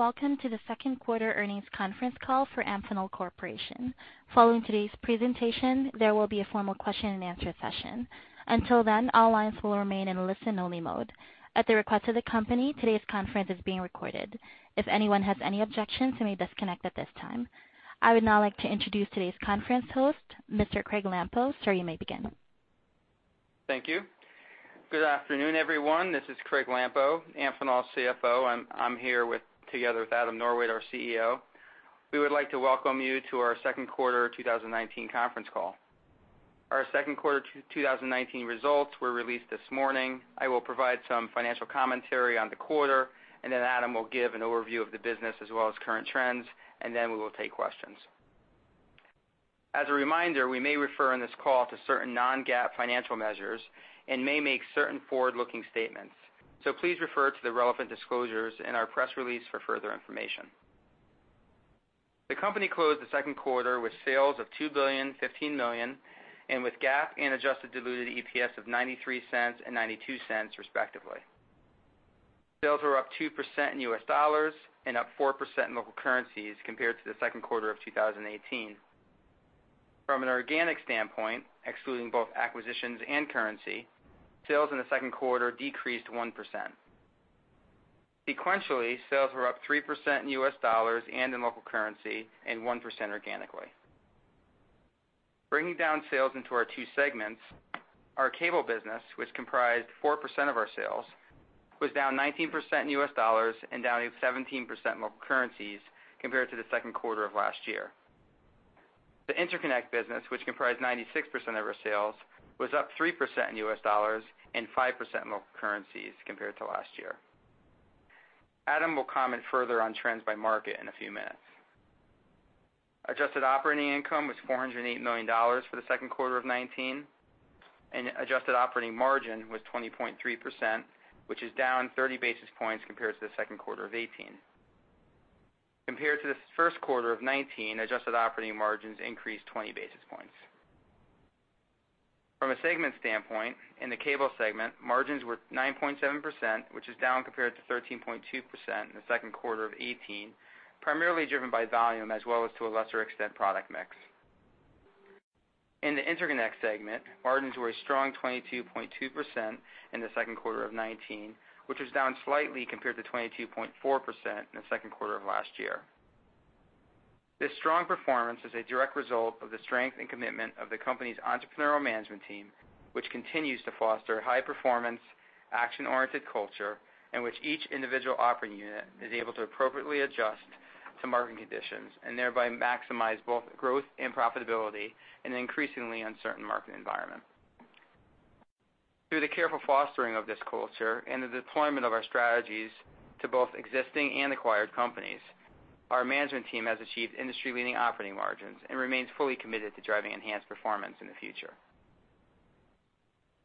Hello, and welcome to the Q2 Earnings Conference Call for Amphenol Corporation. Following today's presentation, there will be a formal question and answer session. Until then, all lines will remain in listen-only mode. At the request of the company, today's conference is being recorded. If anyone has any objections, you may disconnect at this time. I would now like to introduce today's conference host, Mr. Craig Lampo. Sir, you may begin. Thank you. Good afternoon, everyone. This is Craig Lampo, Amphenol's CFO, and I'm here together with Adam Norwitt, our CEO. We would like to welcome you to our Q2 2019 conference call. Our Q2 2019 results were released this morning. I will provide some financial commentary on the quarter, and then Adam will give an overview of the business as well as current trends, and then we will take questions. As a reminder, we may refer on this call to certain non-GAAP financial measures and may make certain forward-looking statements, so please refer to the relevant disclosures in our press release for further information. The company closed the Q2 with sales of $2.015 billion, and with GAAP and adjusted diluted EPS of $0.93 and $0.92, respectively. Sales were up 2% in US dollars and up 4% in local currencies compared to the Q2 of 2018. From an organic standpoint, excluding both acquisitions and currency, sales in the Q2 decreased 1%. Sequentially, sales were up 3% in US dollars and in local currency, and 1% organically. Breaking down sales into our 2 segments, our cable business, which comprised 4% of our sales, was down 19% in US dollars and down 17% in local currencies compared to the Q2 of last year. The interconnect business, which comprised 96% of our sales, was up 3% in US dollars and 5% in local currencies compared to last year. Adam will comment further on trends by market in a few minutes. Adjusted operating income was $408 million for the Q2 of 2019, and adjusted operating margin was 20.3%, which is down 30 basis points compared to the Q2 of 2018. Compared to the Q1 of 2019, adjusted operating margins increased 20 basis points. From a segment standpoint, in the cable segment, margins were 9.7%, which is down compared to 13.2% in the Q2 of 2018, primarily driven by volume as well as, to a lesser extent, product mix. In the interconnect segment, margins were a strong 22.2% in the Q2 of 2019, which was down slightly compared to 22.4% in the Q2 of last year. This strong performance is a direct result of the strength and commitment of the company's entrepreneurial management team, which continues to foster high performance, action-oriented culture, in which each individual operating unit is able to appropriately adjust to market conditions and thereby maximize both growth and profitability in an increasingly uncertain market environment. Through the careful fostering of this culture and the deployment of our strategies to both existing and acquired companies, our management team has achieved industry-leading operating margins and remains fully committed to driving enhanced performance in the future.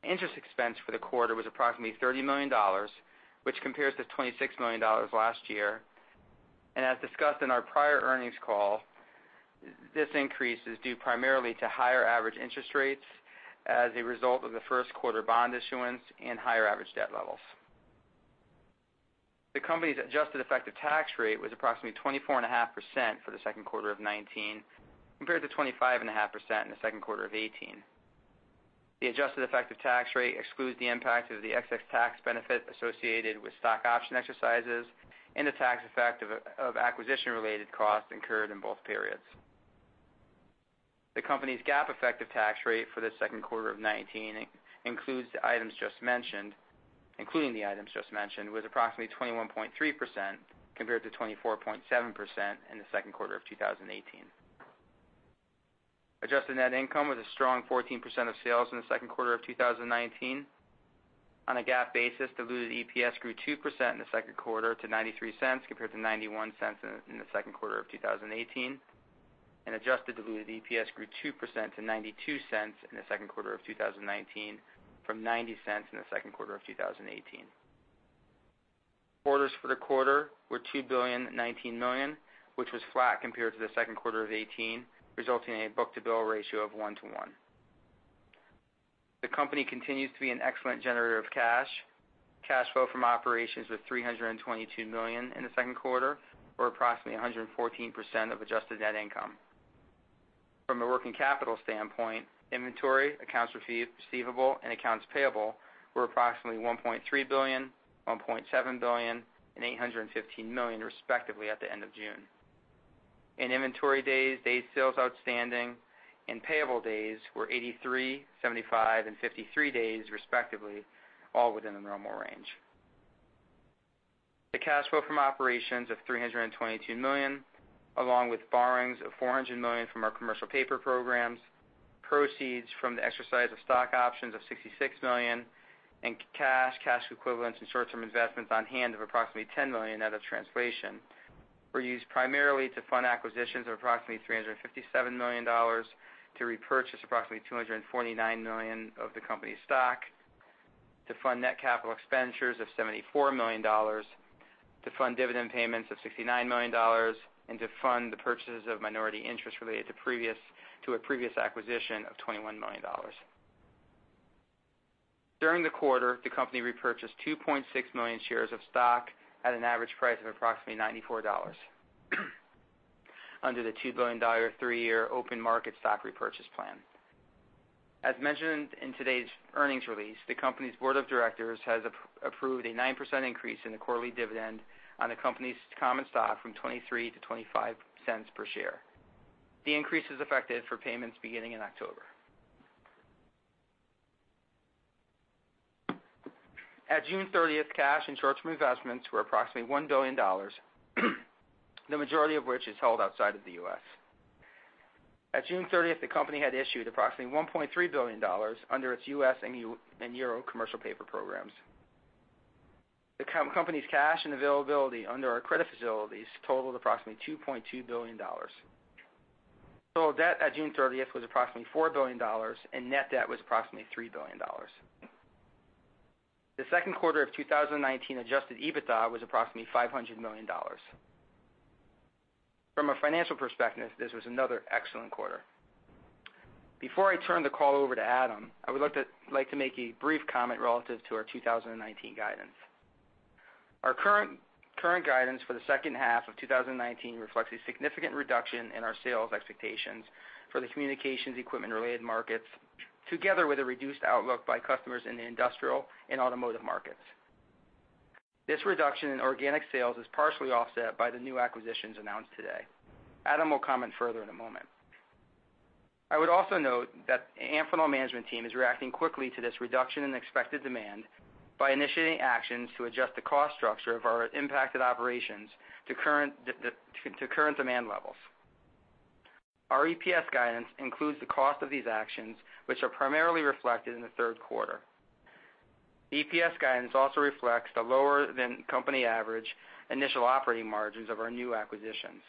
Interest expense for the quarter was approximately $30 million, which compares to $26 million last year. As discussed in our prior earnings call, this increase is due primarily to higher average interest rates as a result of the Q1 bond issuance and higher average debt levels. The company's adjusted effective tax rate was approximately 24.5% for the Q2 of 2019, compared to 25.5% in the Q2 of 2018. The adjusted effective tax rate excludes the impact of the excess tax benefit associated with stock option exercises and the tax effect of acquisition-related costs incurred in both periods. The company's GAAP effective tax rate for the Q2 of 2019 includes the items just mentioned, was approximately 21.3%, compared to 24.7% in the Q2 of 2018. Adjusted net income was a strong 14% of sales in the Q2 of 2019. On a GAAP basis, diluted EPS grew 2% in the Q2 to $0.93, compared to $0.91 in the Q2 of 2018, and adjusted diluted EPS grew 2% to $0.92 in the Q2 of 2019, from $0.90 in the Q2 of 2018. Orders for the quarter were $2.019 billion, which was flat compared to the Q2 of 2018, resulting in a book-to-bill ratio of 1:1. The company continues to be an excellent generator of cash. Cash flow from operations was $322 million in the Q2, or approximately 114% of adjusted net income. From a working capital standpoint, inventory, accounts receivable, and accounts payable were approximately $1.3 billion, $1.7 billion, and $815 million, respectively, at the end of June. Days in inventory, days sales outstanding, and payable days were 83, 75, and 53 days, respectively, all within the normal range. The cash flow from operations of $322 million, along with borrowings of $400 million from our commercial paper programs, proceeds from the exercise of stock options of $66 million, and cash, cash equivalents, and short-term investments on hand of approximately $10 million net of translation, were used primarily to fund acquisitions of approximately $357 million, to repurchase approximately $249 million of the company's stock, to fund net capital expenditures of $74 million, to fund dividend payments of $69 million, and to fund the purchases of minority interests related to previous—to a previous acquisition of $21 million. During the quarter, the company repurchased 2.6 million shares of stock at an average price of approximately $94 under the $2 billion, three-year open market stock repurchase plan. As mentioned in today's earnings release, the company's board of directors has approved a 9% increase in the quarterly dividend on the company's common stock from $0.23-$0.25 per share. The increase is effective for payments beginning in October. At June 30, cash and short-term investments were approximately $1 billion, the majority of which is held outside of the US. At June 30, the company had issued approximately $1.3 billion under its US and Euro commercial paper programs. The company's cash and availability under our credit facilities totaled approximately $2.2 billion. Total debt at June 30 was approximately $4 billion, and net debt was approximately $3 billion. The Q2 of 2019 adjusted EBITDA was approximately $500 million. From a financial perspective, this was another excellent quarter. Before I turn the call over to Adam, I would like to make a brief comment relative to our 2019 guidance. Our current guidance for the second half of 2019 reflects a significant reduction in our sales expectations for the communications equipment-related markets, together with a reduced outlook by customers in the industrial and automotive markets. This reduction in organic sales is partially offset by the new acquisitions announced today. Adam will comment further in a moment. I would also note that Amphenol management team is reacting quickly to this reduction in expected demand by initiating actions to adjust the cost structure of our impacted operations to current demand levels. Our EPS guidance includes the cost of these actions, which are primarily reflected in the Q3. EPS guidance also reflects the lower than company average initial operating margins of our new acquisitions.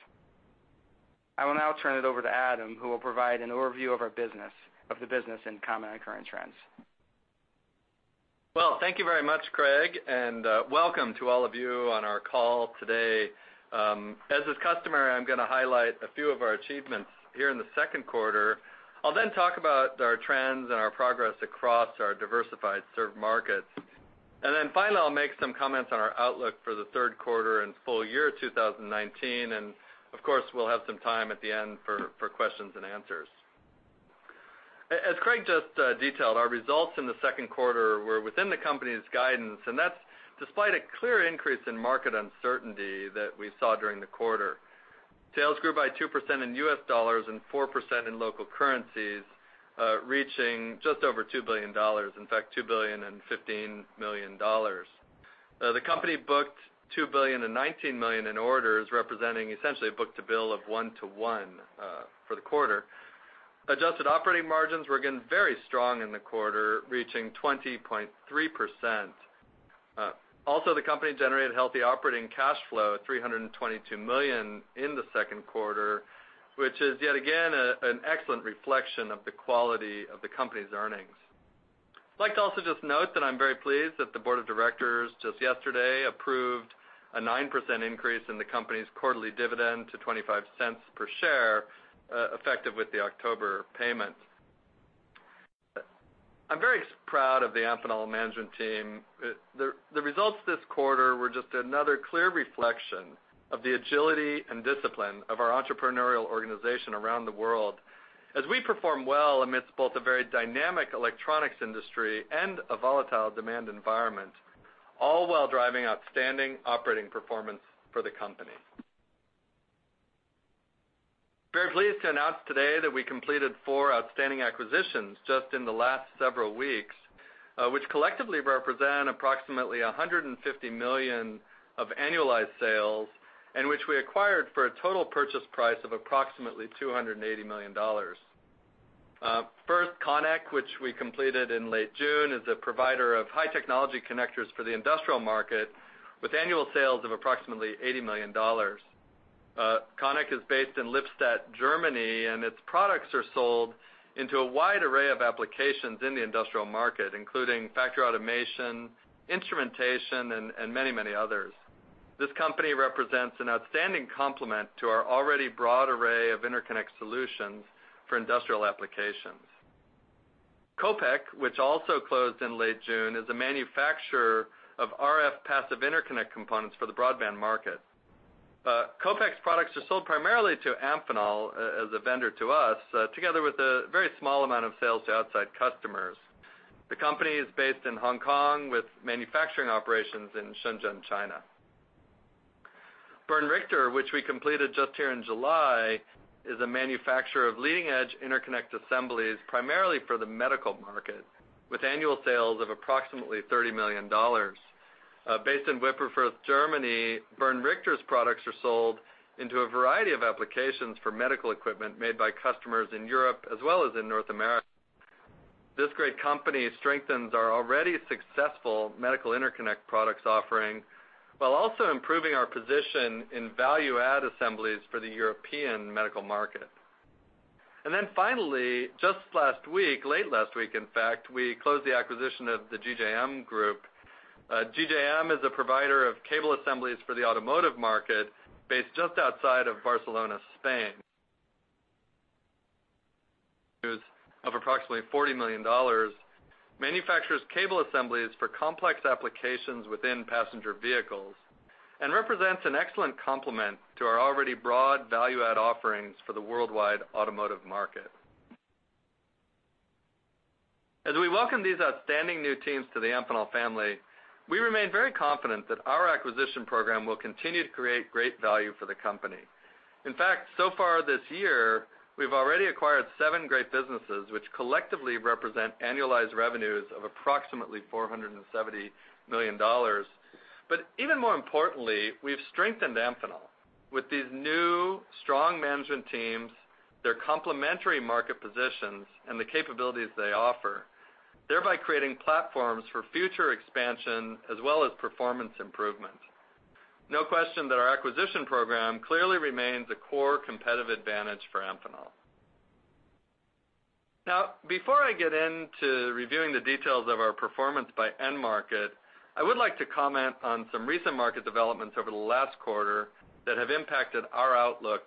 I will now turn it over to Adam, who will provide an overview of our business, of the business and comment on current trends. Well, thank you very much, Craig, and welcome to all of you on our call today. As is customary, I'm gonna highlight a few of our achievements here in the Q2. I'll then talk about our trends and our progress across our diversified served markets. And then finally, I'll make some comments on our outlook for the Q3 and full year 2019, and of course, we'll have some time at the end for questions and answers. As Craig just detailed, our results in the Q2 were within the company's guidance, and that's despite a clear increase in market uncertainty that we saw during the quarter. Sales grew by 2% in US dollars and 4% in local currencies, reaching just over $2 billion, in fact, $2.015 billion. The company booked $2.019 billion in orders, representing essentially a book-to-bill of 1-to-1 for the quarter. Adjusted operating margins were again very strong in the quarter, reaching 20.3%. Also, the company generated healthy operating cash flow, $322 million in the Q2, which is yet again, an excellent reflection of the quality of the company's earnings. I'd like to also just note that I'm very pleased that the board of directors just yesterday approved a 9% increase in the company's quarterly dividend to $0.25 per share, effective with the October payment. I'm very proud of the Amphenol management team. The results this quarter were just another clear reflection of the agility and discipline of our entrepreneurial organization around the world, as we perform well amidst both a very dynamic electronics industry and a volatile demand environment, all while driving outstanding operating performance for the company. Very pleased to announce today that we completed four outstanding acquisitions just in the last several weeks, which collectively represent approximately $150 million of annualized sales, and which we acquired for a total purchase price of approximately $280 million. First, CONEC, which we completed in late June, is a provider of high-technology connectors for the industrial market, with annual sales of approximately $80 million. CONEC is based in Lippstadt, Germany, and its products are sold into a wide array of applications in the industrial market, including factory automation, instrumentation, and many, many others. This company represents an outstanding complement to our already broad array of interconnect solutions for industrial applications. Kopek, which also closed in late June, is a manufacturer of RF passive interconnect components for the broadband market. Kopek's products are sold primarily to Amphenol, as a vendor to us, together with a very small amount of sales to outside customers. The company is based in Hong Kong with manufacturing operations in Shenzhen, China. Bernd Richter, which we completed just here in July, is a manufacturer of leading-edge interconnect assemblies, primarily for the medical market, with annual sales of approximately $30 million. Based in Wipperfürth, Germany, Bernd Richter's products are sold into a variety of applications for medical equipment made by customers in Europe as well as in North America. This great company strengthens our already successful medical interconnect products offering, while also improving our position in value-add assemblies for the European medical market. And then finally, just last week, late last week, in fact, we closed the acquisition of the GJM Group. GJM is a provider of cable assemblies for the automotive market based just outside of Barcelona, Spain, of approximately $40 million, manufactures cable assemblies for complex applications within passenger vehicles and represents an excellent complement to our already broad value-add offerings for the worldwide automotive market. As we welcome these outstanding new teams to the Amphenol family, we remain very confident that our acquisition program will continue to create great value for the company. In fact, so far this year, we've already acquired seven great businesses, which collectively represent annualized revenues of approximately $470 million. But even more importantly, we've strengthened Amphenol with these new, strong management teams, their complementary market positions, and the capabilities they offer, thereby creating platforms for future expansion as well as performance improvement. No question that our acquisition program clearly remains a core competitive advantage for Amphenol. Now, before I get into reviewing the details of our performance by end market, I would like to comment on some recent market developments over the last quarter that have impacted our outlook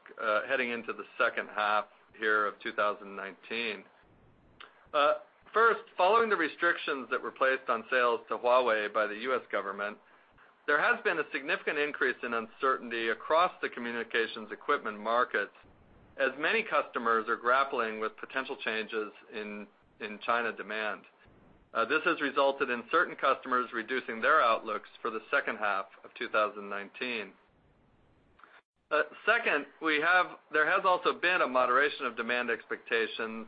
heading into the second half here of 2019. First, following the restrictions that were placed on sales to Huawei by the U.S. government, there has been a significant increase in uncertainty across the communications equipment markets, as many customers are grappling with potential changes in China demand. Second, there has also been a moderation of demand expectations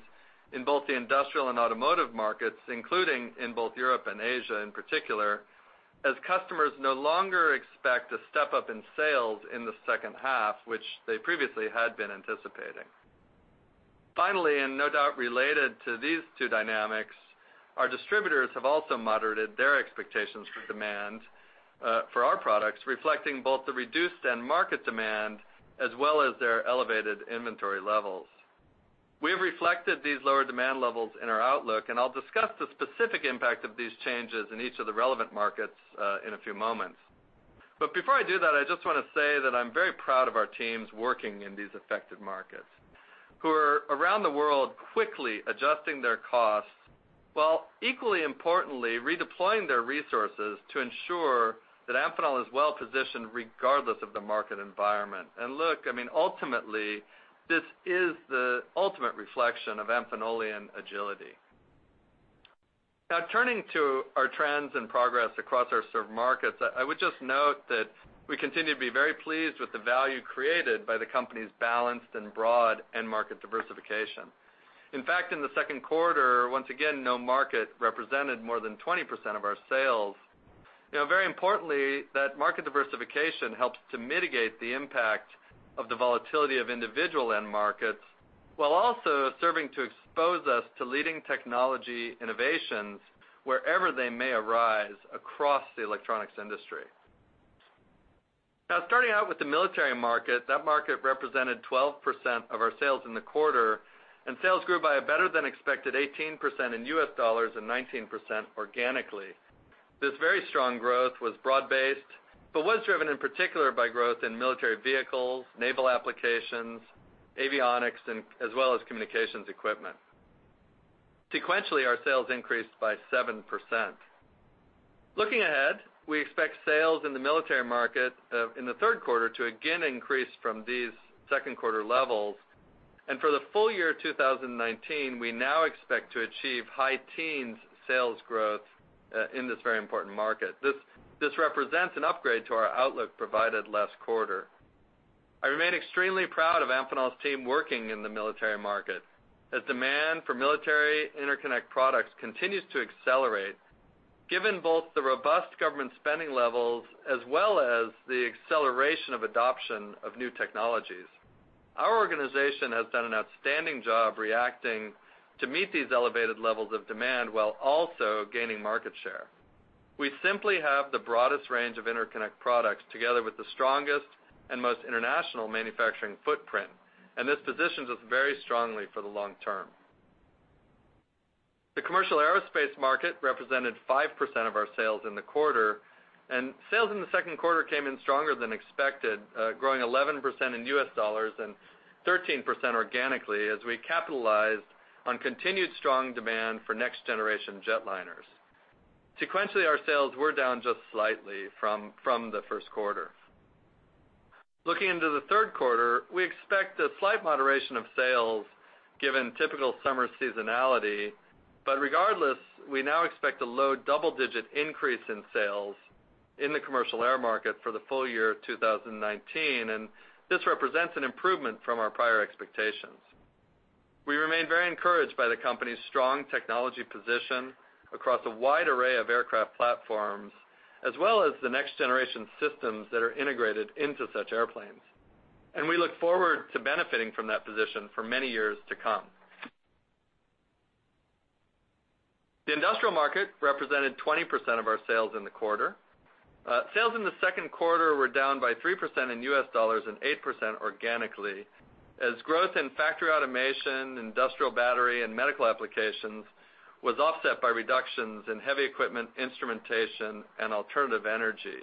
in both the industrial and automotive markets, including in both Europe and Asia, in particular, as customers no longer expect a step-up in sales in the second half of 2019. Finally, and no doubt related to these two dynamics, our distributors have also moderated their expectations for demand for our products, reflecting both the reduced end market demand as well as their elevated inventory levels. We have reflected these lower demand levels in our outlook, and I'll discuss the specific impact of these changes in each of the relevant markets in a few moments. But before I do that, I just wanna say that I'm very proud of our teams working in these affected markets, who are around the world quickly adjusting their costs, while equally importantly, redeploying their resources to ensure that Amphenol is well-positioned regardless of the market environment. And look, I mean, ultimately, this is the ultimate reflection of Amphenolian agility. Now, turning to our trends and progress across our served markets, I would just note that we continue to be very pleased with the value created by the company's balanced and broad end market diversification. In fact, in the Q2, once again, no market represented more than 20% of our sales. You know, very importantly, that market diversification helps to mitigate the impact of the volatility of individual end markets, while also serving to expose us to leading technology innovations wherever they may arise across the electronics industry. Now, starting out with the military market, that market represented 12% of our sales in the quarter, and sales grew by a better-than-expected 18% in U.S. dollars and 19% organically. This very strong growth was broad-based, but was driven in particular by growth in military vehicles, naval applications, avionics, and as well as communications equipment. Sequentially, our sales increased by 7%. Looking ahead, we expect sales in the military market, in the Q3 to again increase from these Q2 levels. And for the full year 2019, we now expect to achieve high teens sales growth, in this very important market. This represents an upgrade to our outlook provided last quarter. I remain extremely proud of Amphenol's team working in the military market, as demand for military interconnect products continues to accelerate, given both the robust government spending levels as well as the acceleration of adoption of new technologies. Our organization has done an outstanding job reacting to meet these elevated levels of demand while also gaining market share. We simply have the broadest range of interconnect products, together with the strongest and most international manufacturing footprint, and this positions us very strongly for the long term. The commercial aerospace market represented 5% of our sales in the quarter, and sales in the Q2 came in stronger than expected, growing 11% in US dollars and 13% organically as we capitalized on continued strong demand for next-generation jetliners. Sequentially, our sales were down just slightly from the Q1. Looking into the Q3, we expect a slight moderation of sales given typical summer seasonality, but regardless, we now expect a low double-digit increase in sales in the commercial air market for the full year 2019, and this represents an improvement from our prior expectations. We remain very encouraged by the company's strong technology position across a wide array of aircraft platforms, as well as the next-generation systems that are integrated into such airplanes, and we look forward to benefiting from that position for many years to come. The industrial market represented 20% of our sales in the quarter. Sales in the Q2 were down by 3% in US dollars and 8% organically, as growth in factory automation, industrial battery, and medical applications was offset by reductions in heavy equipment, instrumentation, and alternative energy.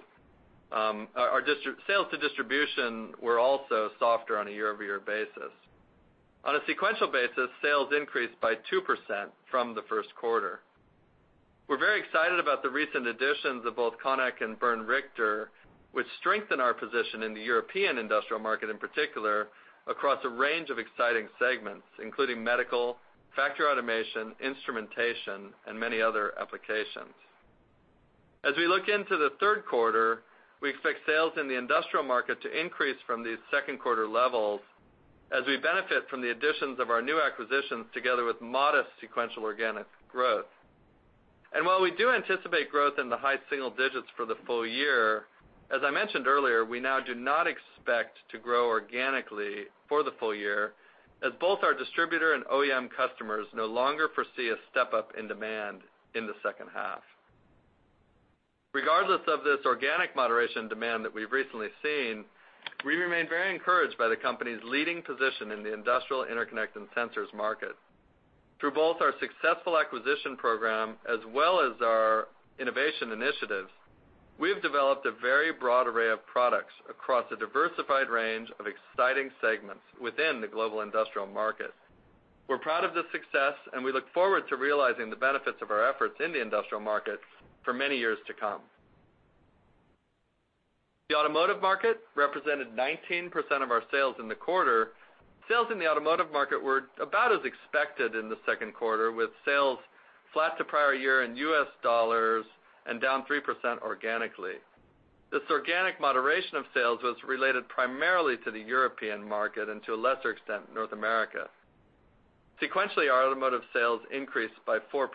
Our sales to distribution were also softer on a year-over-year basis. On a sequential basis, sales increased by 2% from the Q1. We're very excited about the recent additions of both CONEC and Bernd Richter, which strengthen our position in the European industrial market, in particular, across a range of exciting segments, including medical, factory automation, instrumentation, and many other applications. As we look into the Q3, we expect sales in the industrial market to increase from these Q2 levels as we benefit from the additions of our new acquisitions, together with modest sequential organic growth. While we do anticipate growth in the high single digits for the full year, as I mentioned earlier, we now do not expect to grow organically for the full year, as both our distributor and OEM customers no longer foresee a step-up in demand in the second half. Regardless of this organic moderation demand that we've recently seen, we remain very encouraged by the company's leading position in the industrial interconnect and sensors market. Through both our successful acquisition program, as well as our innovation initiatives, we have developed a very broad array of products across a diversified range of exciting segments within the global industrial market. We're proud of this success, and we look forward to realizing the benefits of our efforts in the industrial markets for many years to come. The automotive market represented 19% of our sales in the quarter. Sales in the automotive market were about as expected in the Q2, with sales flat to prior year in US dollars and down 3% organically. This organic moderation of sales was related primarily to the European market and, to a lesser extent, North America. Sequentially, our automotive sales increased by 4%.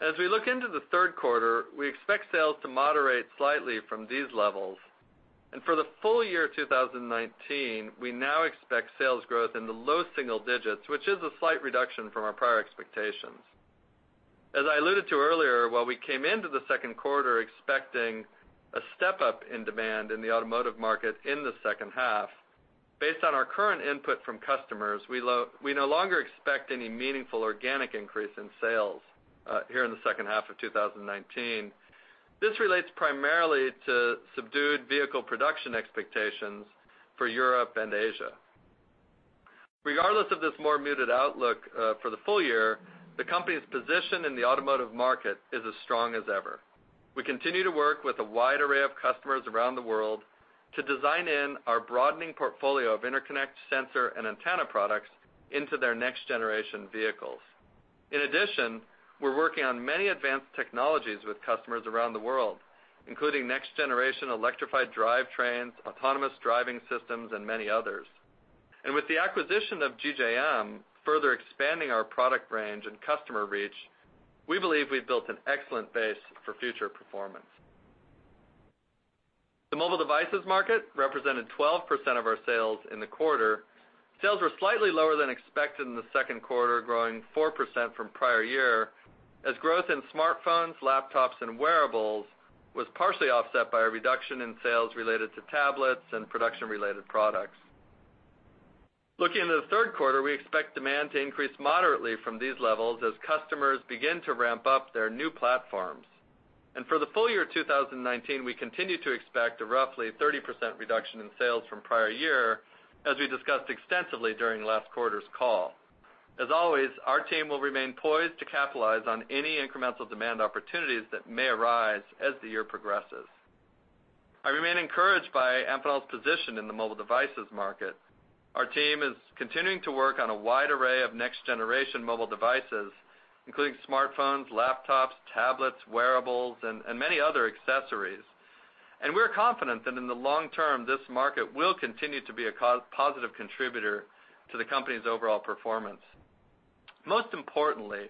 As we look into the Q3, we expect sales to moderate slightly from these levels, and for the full year 2019, we now expect sales growth in the low single digits, which is a slight reduction from our prior expectations. As I alluded to earlier, while we came into the Q2 expecting a step-up in demand in the automotive market in the second half, based on our current input from customers, we no longer expect any meaningful organic increase in sales here in the second half of 2019. This relates primarily to subdued vehicle production expectations for Europe and Asia. Regardless of this more muted outlook for the full year, the company's position in the automotive market is as strong as ever. We continue to work with a wide array of customers around the world to design in our broadening portfolio of interconnect, sensor, and antenna products into their next-generation vehicles. In addition, we're working on many advanced technologies with customers around the world, including next-generation electrified drivetrains, autonomous driving systems, and many others. And with the acquisition of GJM, further expanding our product range and customer reach, we believe we've built an excellent base for future performance. The mobile devices market represented 12% of our sales in the quarter. Sales were slightly lower than expected in the Q2, growing 4% from prior year, as growth in smartphones, laptops, and wearables was partially offset by a reduction in sales related to tablets and production-related products. Looking into the Q3, we expect demand to increase moderately from these levels as customers begin to ramp up their new platforms. For the full year 2019, we continue to expect a roughly 30% reduction in sales from prior year, as we discussed extensively during last quarter's call. As always, our team will remain poised to capitalize on any incremental demand opportunities that may arise as the year progresses. I remain encouraged by Amphenol's position in the mobile devices market. Our team is continuing to work on a wide array of next-generation mobile devices, including smartphones, laptops, tablets, wearables, and many other accessories. We're confident that in the long term, this market will continue to be a key positive contributor to the company's overall performance. Most importantly,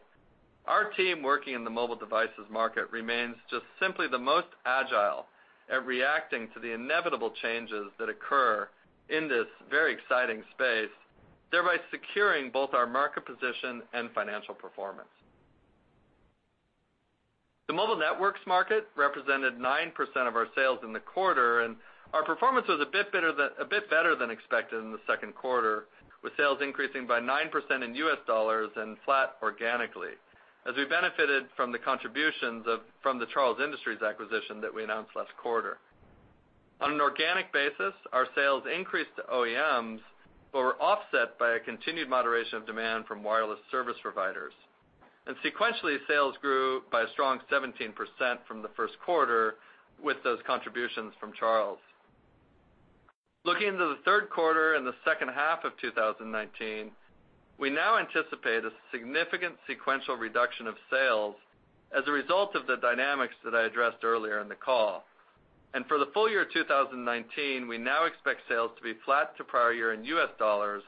our team working in the mobile devices market remains just simply the most agile at reacting to the inevitable changes that occur in this very exciting space, thereby securing both our market position and financial performance. The mobile networks market represented 9% of our sales in the quarter, and our performance was a bit better than, a bit better than expected in the Q2, with sales increasing by 9% in U.S. dollars and flat organically, as we benefited from the contributions of, from the Charles Industries acquisition that we announced last quarter. On an organic basis, our sales increased to OEMs, but were offset by a continued moderation of demand from wireless service providers. Sequentially, sales grew by a strong 17% from the Q1 with those contributions from Charles. Looking into the Q3 and the second half of 2019, we now anticipate a significant sequential reduction of sales as a result of the dynamics that I addressed earlier in the call. For the full year 2019, we now expect sales to be flat to prior year in US dollars,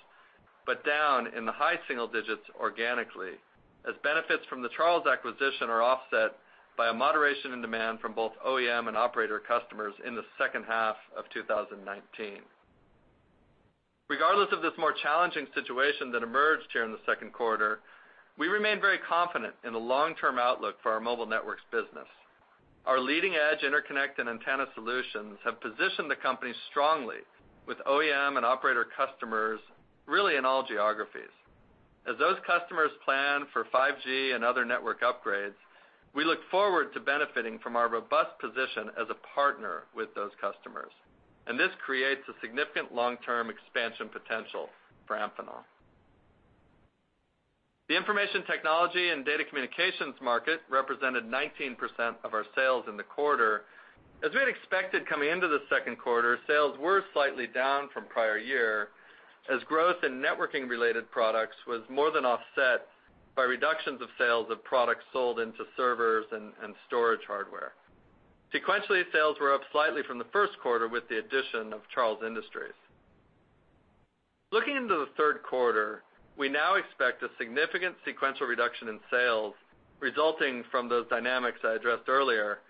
but down in the high single digits organically, as benefits from the Charles acquisition are offset by a moderation in demand from both OEM and operator customers in the second half of 2019. Regardless of this more challenging situation that emerged here in the Q2, we remain very confident in the long-term outlook for our mobile networks business. Our leading-edge interconnect and antenna solutions have positioned the company strongly with OEM and operator customers, really in all geographies.... As those customers plan for 5G and other network upgrades, we look forward to benefiting from our robust position as a partner with those customers, and this creates a significant long-term expansion potential for Amphenol. The information technology and data communications market represented 19% of our sales in the quarter. As we had expected coming into the Q2, sales were slightly down from prior year, as growth in networking-related products was more than offset by reductions of sales of products sold into servers and storage hardware. Sequentially, sales were up slightly from the Q1 with the addition of Charles Industries. Looking into the Q3, we now expect a significant sequential reduction in sales resulting from those dynamics I addressed earlier.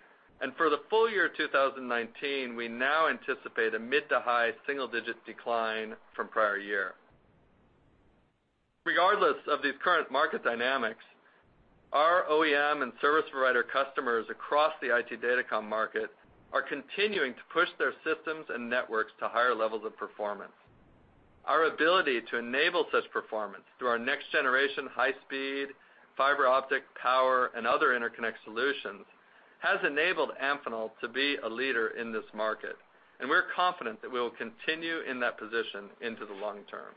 For the full year 2019, we now anticipate a mid- to high single-digit decline from prior year. Regardless of these current market dynamics, our OEM and service provider customers across the IT datacom market are continuing to push their systems and networks to higher levels of performance. Our ability to enable such performance through our next-generation, high-speed, fiber optic, power, and other interconnect solutions has enabled Amphenol to be a leader in this market, and we're confident that we will continue in that position into the long term.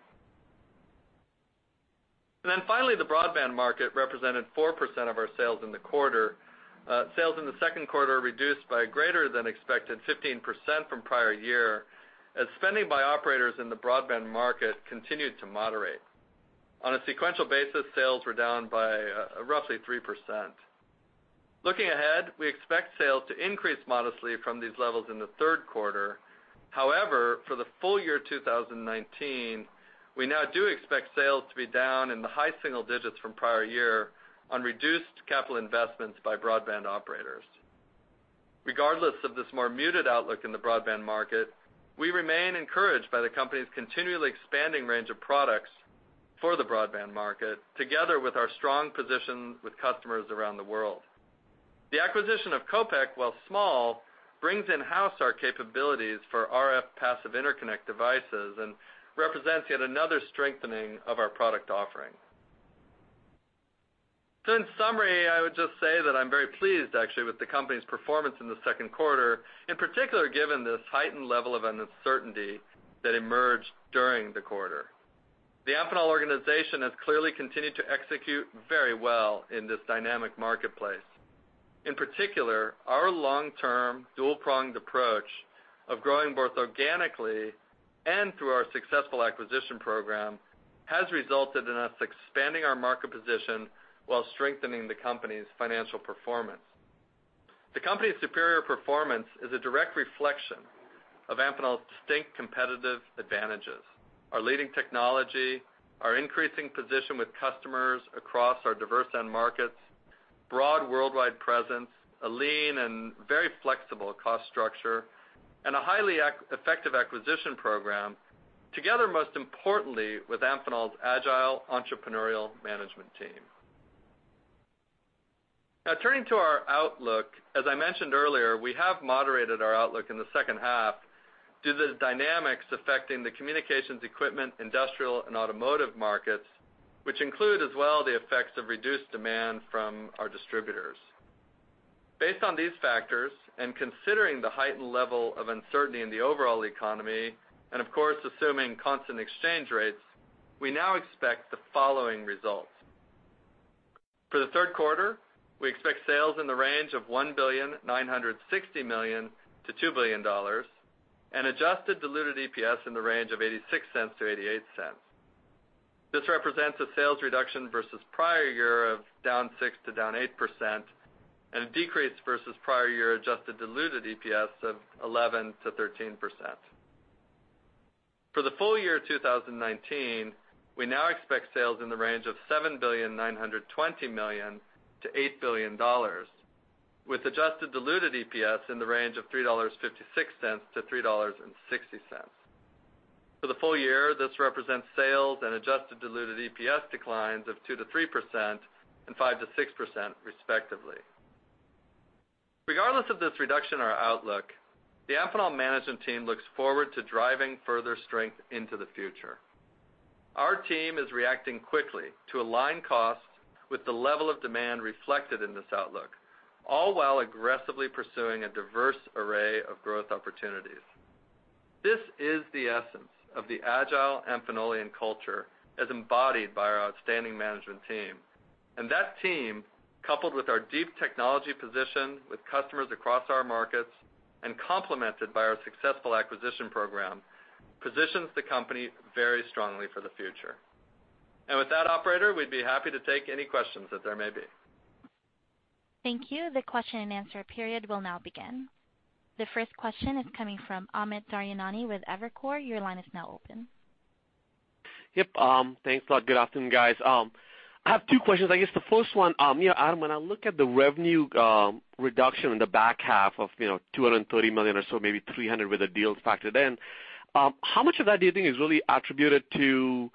And then finally, the broadband market represented 4% of our sales in the quarter. Sales in the Q2 reduced by greater than expected, 15% from prior year, as spending by operators in the broadband market continued to moderate. On a sequential basis, sales were down by roughly 3%. Looking ahead, we expect sales to increase modestly from these levels in the Q3. However, for the full year 2019, we now do expect sales to be down in the high single digits from prior year on reduced capital investments by broadband operators. Regardless of this more muted outlook in the broadband market, we remain encouraged by the company's continually expanding range of products for the broadband market, together with our strong position with customers around the world. The acquisition of Kopek, while small, brings in-house our capabilities for RF passive interconnect devices and represents yet another strengthening of our product offering. So in summary, I would just say that I'm very pleased, actually, with the company's performance in the Q2, in particular, given this heightened level of uncertainty that emerged during the quarter. The Amphenol organization has clearly continued to execute very well in this dynamic marketplace. In particular, our long-term, dual-pronged approach of growing both organically and through our successful acquisition program has resulted in us expanding our market position while strengthening the company's financial performance. The company's superior performance is a direct reflection of Amphenol's distinct competitive advantages, our leading technology, our increasing position with customers across our diverse end markets, broad worldwide presence, a lean and very flexible cost structure, and a highly effective acquisition program, together, most importantly, with Amphenol's agile, entrepreneurial management team. Now, turning to our outlook, as I mentioned earlier, we have moderated our outlook in the second half due to the dynamics affecting the communications equipment, industrial, and automotive markets, which include as well the effects of reduced demand from our distributors. Based on these factors, and considering the heightened level of uncertainty in the overall economy, and of course, assuming constant exchange rates, we now expect the following results. For the Q3, we expect sales in the range of $1.96 billion-$2 billion, and adjusted diluted EPS in the range of $0.86-$0.88. This represents a sales reduction versus prior year of down 6%-8%, and a decrease versus prior year adjusted diluted EPS of 11%-13%. For the full year 2019, we now expect sales in the range of $7.92 billion-$8 billion, with adjusted diluted EPS in the range of $3.56-$3.60. For the full year, this represents sales and adjusted diluted EPS declines of 2%-3% and 5%-6%, respectively. Regardless of this reduction in our outlook, the Amphenol management team looks forward to driving further strength into the future. Our team is reacting quickly to align costs with the level of demand reflected in this outlook, all while aggressively pursuing a diverse array of growth opportunities. This is the essence of the agile Amphenolian culture, as embodied by our outstanding management team. And that team, coupled with our deep technology position with customers across our markets and complemented by our successful acquisition program, positions the company very strongly for the future. And with that, operator, we'd be happy to take any questions that there may be. Thank you. The Q&A period will now begin. The first question is coming from Amit Daryanani with Evercore. Your line is now open. Yep, thanks a lot. Good afternoon, guys. I have two questions. I guess the first one, you know, Adam, when I look at the revenue reduction in the back half of, you know, $230 million or so, maybe $300 million with the deals factored in, how much of that do you think is really attributed to,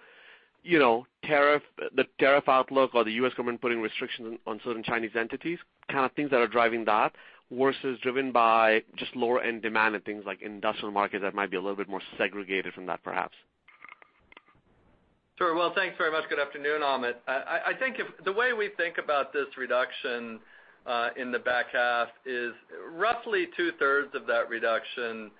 you know, tariff, the tariff outlook or the U.S. government putting restrictions on certain Chinese entities, kind of things that are driving that, versus driven by just lower-end demand and things like industrial markets that might be a little bit more segregated from that, perhaps?... Sure. Well, thanks very much. Good afternoon, Amit. I think, the way we think about this reduction in the back half is roughly 2/3 of that reduction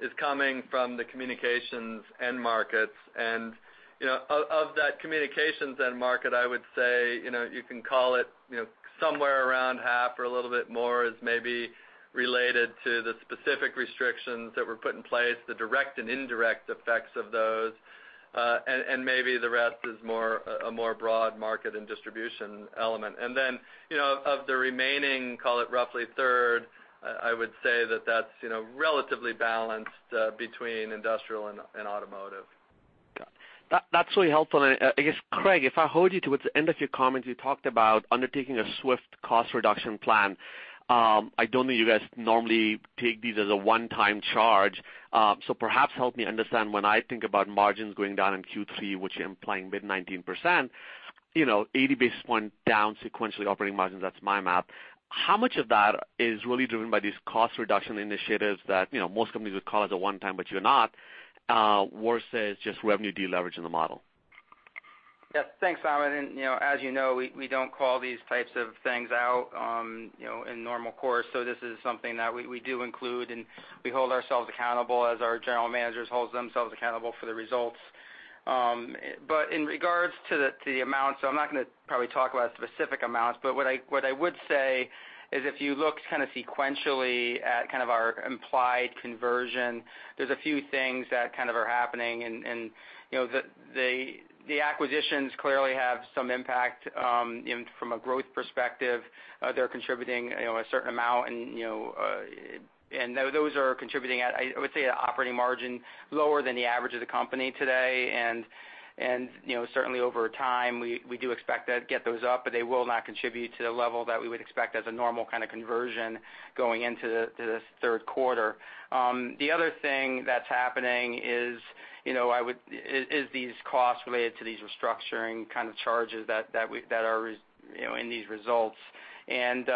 is coming from the communications end markets. And, you know, of that communications end market, I would say, you know, you can call it, you know, somewhere around half or a little bit more is maybe related to the specific restrictions that were put in place, the direct and indirect effects of those, and maybe the rest is more, a more broad market and distribution element. And then, you know, of the remaining, call it roughly 1/3, I would say that that's, you know, relatively balanced between industrial and automotive. Got it. That's really helpful. And, I guess, Craig, if I hold you to towards the end of your comments, you talked about undertaking a swift cost reduction plan. I don't think you guys normally take these as a one-time charge. So perhaps help me understand, when I think about margins going down in Q3, which implying mid-19%, you know, 80 basis point down sequentially operating margins, that's my math. How much of that is really driven by these cost reduction initiatives that, you know, most companies would call it a one time, but you're not, versus just revenue deleveraging the model? Yeah. Thanks, Amit, and you know, as you know, we don't call these types of things out, you know, in normal course. So this is something that we do include, and we hold ourselves accountable as our general managers holds themselves accountable for the results. But in regards to the amounts, so I'm not gonna probably talk about specific amounts, but what I would say is if you look kind of sequentially at kind of our implied conversion, there's a few things that kind of are happening. And you know, the acquisitions clearly have some impact in from a growth perspective. They're contributing, you know, a certain amount and you know, and those are contributing at, I would say, an operating margin lower than the average of the company today. And, you know, certainly over time, we do expect to get those up, but they will not contribute to the level that we would expect as a normal kind of conversion going into the Q3. The other thing that's happening is, you know, these costs related to these restructuring kind of charges that we that are, you know, in these results. And,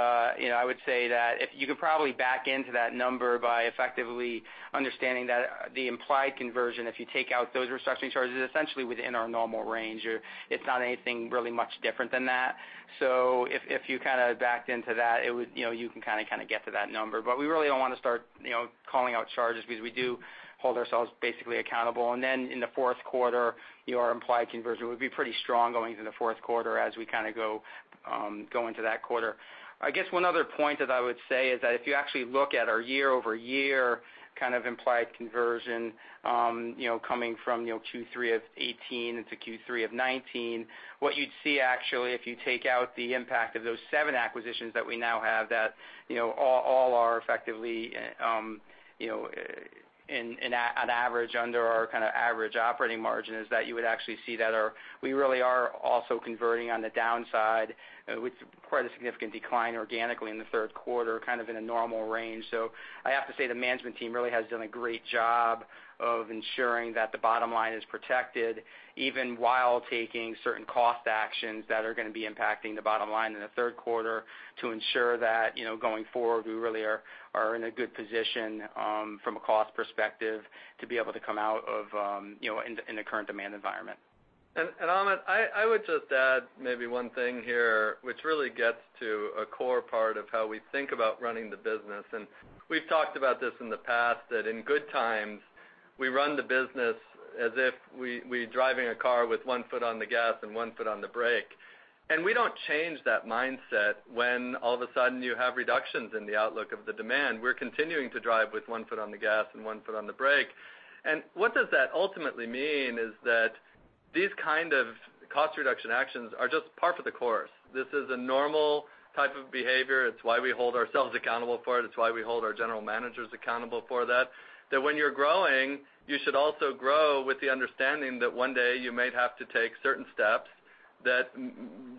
you know, I would say that if you could probably back into that number by effectively understanding that the implied conversion, if you take out those restructuring charges, is essentially within our normal range, or it's not anything really much different than that. So if you kind of backed into that, it would, you know, you can kind of get to that number. We really don't wanna start, you know, calling out charges because we do hold ourselves basically accountable. Then in the Q4, your implied conversion would be pretty strong going into the Q4 as we kind of go into that quarter. I guess one other point that I would say is that if you actually look at our year-over-year kind of implied conversion, you know, coming from, you know, Q3 of 2018 into Q3 of 2019, what you'd see actually, if you take out the impact of those seven acquisitions that we now have, that, you know, all are effectively, you know, in on average, under our kind of average operating margin, is that you would actually see that we really are also converting on the downside, with quite a significant decline organically in the Q3, kind of in a normal range. I have to say, the management team really has done a great job of ensuring that the bottom line is protected, even while taking certain cost actions that are gonna be impacting the bottom line in the Q3 to ensure that, you know, going forward, we really are in a good position, from a cost perspective to be able to come out of, you know, in the current demand environment. Amit, I would just add maybe one thing here, which really gets to a core part of how we think about running the business. We've talked about this in the past, that in good times, we run the business as if we're driving a car with one foot on the gas and one foot on the brake. We don't change that mindset when all of a sudden you have reductions in the outlook of the demand. We're continuing to drive with one foot on the gas and one foot on the brake. What does that ultimately mean is that these kind of cost reduction actions are just par for the course. This is a normal type of behavior. It's why we hold ourselves accountable for it. It's why we hold our general managers accountable for that, that when you're growing, you should also grow with the understanding that one day you may have to take certain steps that,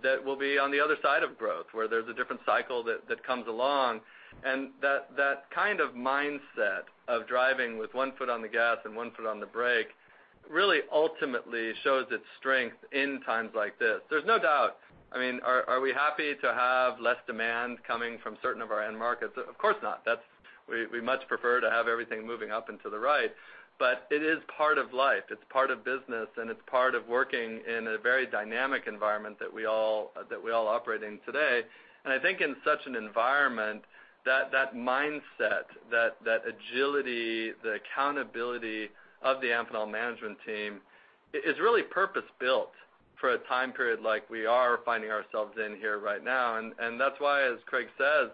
that will be on the other side of growth, where there's a different cycle that, that comes along. And that, that kind of mindset of driving with one foot on the gas and one foot on the brake really ultimately shows its strength in times like this. There's no doubt, I mean, are we happy to have less demand coming from certain of our end markets? Of course not. That's - we much prefer to have everything moving up and to the right, but it is part of life, it's part of business, and it's part of working in a very dynamic environment that we all, that we all operate in today. I think in such an environment, that mindset, that agility, the accountability of the Amphenol management team is really purpose-built for a time period like we are finding ourselves in here right now. And that's why, as Craig says,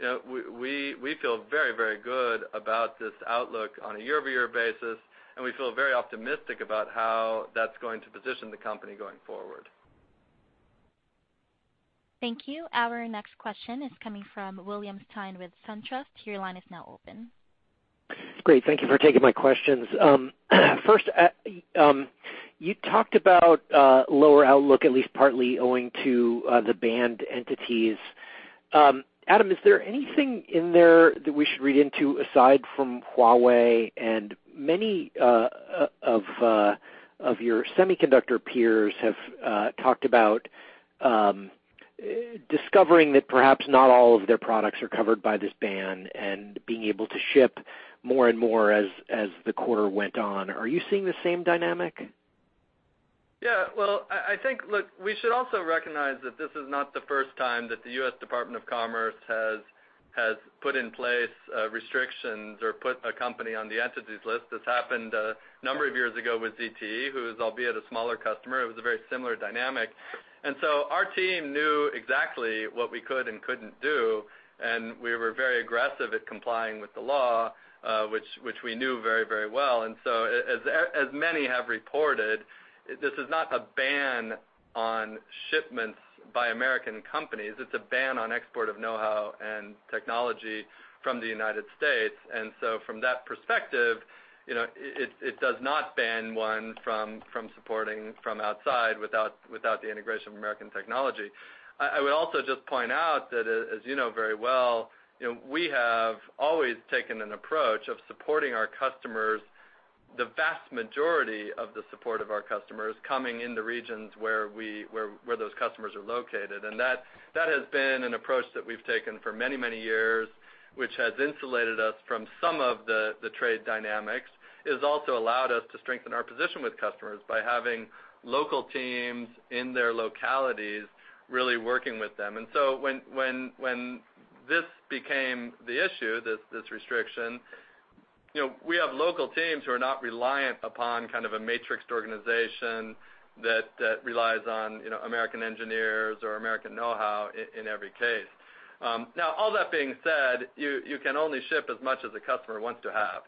you know, we feel very, very good about this outlook on a year-over-year basis, and we feel very optimistic about how that's going to position the company going forward. Thank you. Our next question is coming from William Stein with SunTrust. Your line is now open. Great. Thank you for taking my questions. First, you talked about lower outlook, at least partly owing to the banned entities. Adam, is there anything in there that we should read into aside from Huawei? And many of your semiconductor peers have talked about discovering that perhaps not all of their products are covered by this ban and being able to ship more and more as the quarter went on. Are you seeing the same dynamic? Yeah. Well, I think, look, we should also recognize that this is not the first time that the U.S. Department of Commerce has put in place restrictions or put a company on the Entity List. This happened a number of years ago with ZTE, albeit a smaller customer, it was a very similar dynamic. And so our team knew exactly what we could and couldn't do, and we were very aggressive at complying with the law, which we knew very, very well. And so as many have reported, this is not a ban on shipments by American companies, it's a ban on export of know-how and technology from the United States. And so from that perspective, you know, it does not ban one from supporting from outside without the integration of American technology. I would also just point out that as you know very well, you know, we have always taken an approach of supporting our customers, the vast majority of the support of our customers, coming into regions where those customers are located. And that has been an approach that we've taken for many, many years, which has insulated us from some of the trade dynamics. It has also allowed us to strengthen our position with customers by having local teams in their localities, really working with them. And so when this became the issue, this restriction, you know, we have local teams who are not reliant upon kind of a matrixed organization that relies on, you know, American engineers or American know-how in every case. Now all that being said, you can only ship as much as the customer wants to have.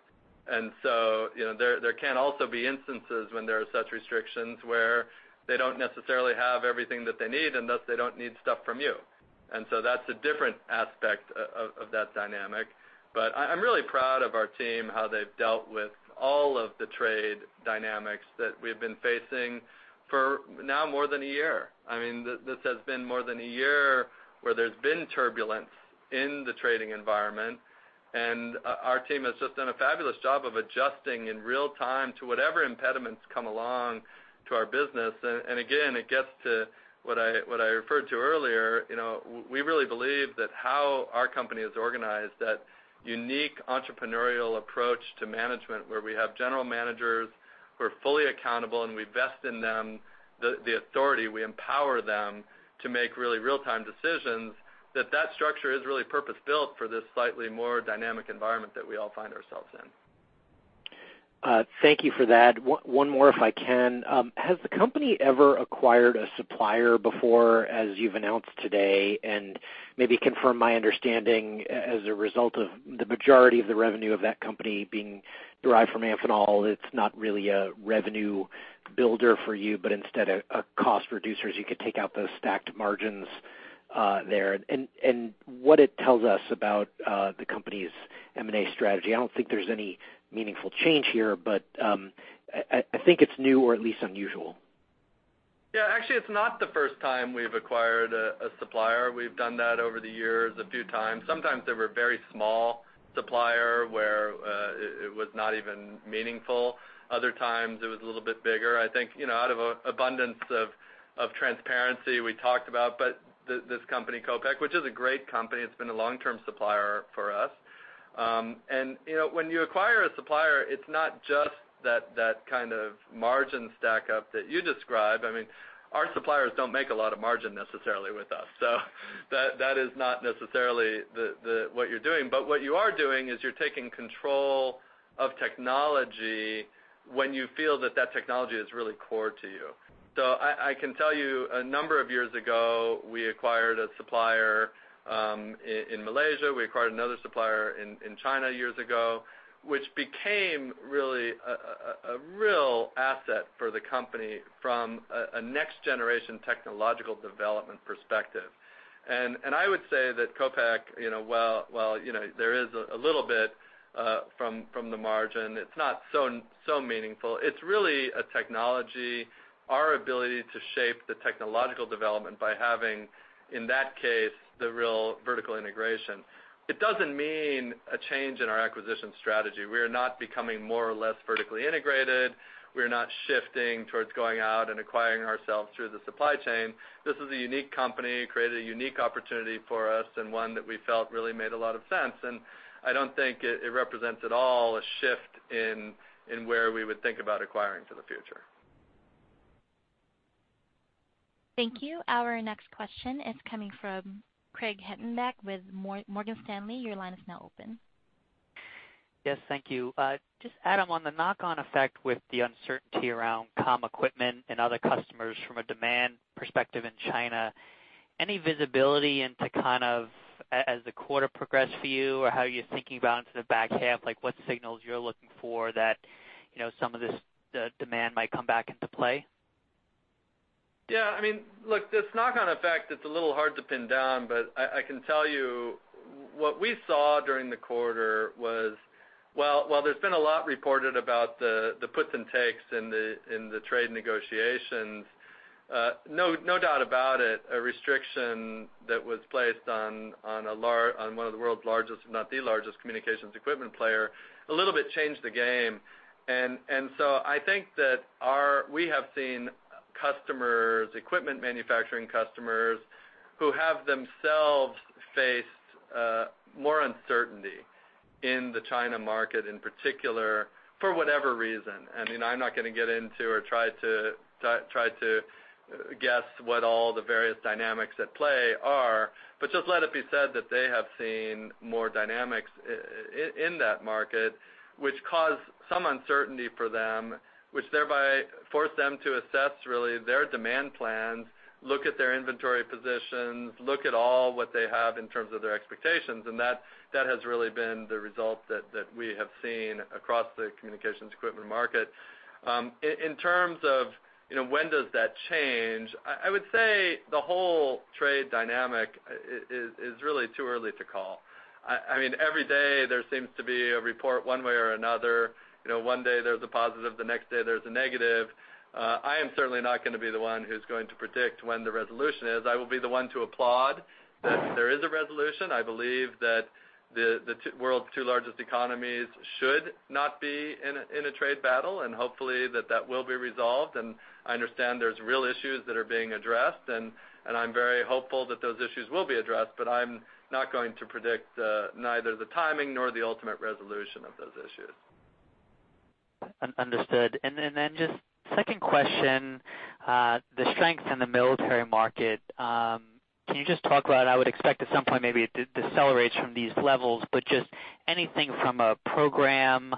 And so, you know, there can also be instances when there are such restrictions, where they don't necessarily have everything that they need, and thus they don't need stuff from you. And so that's a different aspect of that dynamic. But I'm really proud of our team, how they've dealt with all of the trade dynamics that we've been facing for now more than a year. I mean, this has been more than a year where there's been turbulence in the trading environment, and our team has just done a fabulous job of adjusting in real time to whatever impediments come along to our business. And again, it gets to what I referred to earlier, you know, we really believe that how our company is organized, that unique entrepreneurial approach to management, where we have general managers who are fully accountable, and we vest in them the authority, we empower them to make really real-time decisions, that structure is really purpose-built for this slightly more dynamic environment that we all find ourselves in. Thank you for that. One more, if I can. Has the company ever acquired a supplier before, as you've announced today? And maybe confirm my understanding, as a result of the majority of the revenue of that company being derived from Amphenol, it's not really a revenue builder for you, but instead a cost reducer, so you could take out those stacked margins there. And what it tells us about the company's M&A strategy. I don't think there's any meaningful change here, but I think it's new or at least unusual. Yeah, actually, it's not the first time we've acquired a supplier. We've done that over the years a few times. Sometimes they were a very small supplier where it was not even meaningful. Other times, it was a little bit bigger. I think, you know, out of an abundance of transparency, we talked about, but this company, Kopek, which is a great company, it's been a long-term supplier for us. And, you know, when you acquire a supplier, it's not just that kind of margin stackup that you describe. I mean, our suppliers don't make a lot of margin necessarily with us, so that is not necessarily the what you're doing. But what you are doing is you're taking control of technology when you feel that that technology is really core to you. So I can tell you, a number of years ago, we acquired a supplier in Malaysia. We acquired another supplier in China years ago, which became really a real asset for the company from a next-generation technological development perspective. And I would say that Kopek, you know, while you know, there is a little bit from the margin, it's not so meaningful. It's really a technology, our ability to shape the technological development by having, in that case, the real vertical integration. It doesn't mean a change in our acquisition strategy. We are not becoming more or less vertically integrated. We're not shifting towards going out and acquiring ourselves through the supply chain. This is a unique company, created a unique opportunity for us, and one that we felt really made a lot of sense. I don't think it represents at all a shift in where we would think about acquiring for the future. Thank you. Our next question is coming from Craig Hettenbach with Morgan Stanley. Your line is now open. Yes, thank you. Just, Adam, on the knock-on effect with the uncertainty around comm equipment and other customers from a demand perspective in China, any visibility into kind of as the quarter progressed for you, or how you're thinking about into the back half, like what signals you're looking for that, you know, some of this demand might come back into play? Yeah, I mean, look, this knock-on effect, it's a little hard to pin down, but I can tell you what we saw during the quarter was... Well, while there's been a lot reported about the puts and takes in the trade negotiations, no doubt about it, a restriction that was placed on one of the world's largest, if not the largest, communications equipment player, a little bit changed the game. And so I think that we have seen customers, equipment manufacturing customers, who have themselves faced more uncertainty in the China market, in particular, for whatever reason. I mean, I'm not gonna get into or try to, try to guess what all the various dynamics at play are, but just let it be said that they have seen more dynamics in that market, which caused some uncertainty for them, which thereby forced them to assess, really, their demand plans, look at their inventory positions, look at all what they have in terms of their expectations, and that, that has really been the result that, that we have seen across the communications equipment market. In terms of, you know, when does that change? I would say the whole trade dynamic is really too early to call. I mean, every day there seems to be a report one way or another. You know, one day there's a positive, the next day there's a negative. I am certainly not gonna be the one who's going to predict when the resolution is. I will be the one to applaud that there is a resolution. I believe that the world's two largest economies should not be in a trade battle, and hopefully that will be resolved, and I understand there's real issues that are being addressed, and I'm very hopeful that those issues will be addressed, but I'm not going to predict neither the timing nor the ultimate resolution of those issues. Understood. And then just second question, the strength in the military market, can you just talk about... I would expect at some point, maybe it decelerates from these levels, but just anything from a program,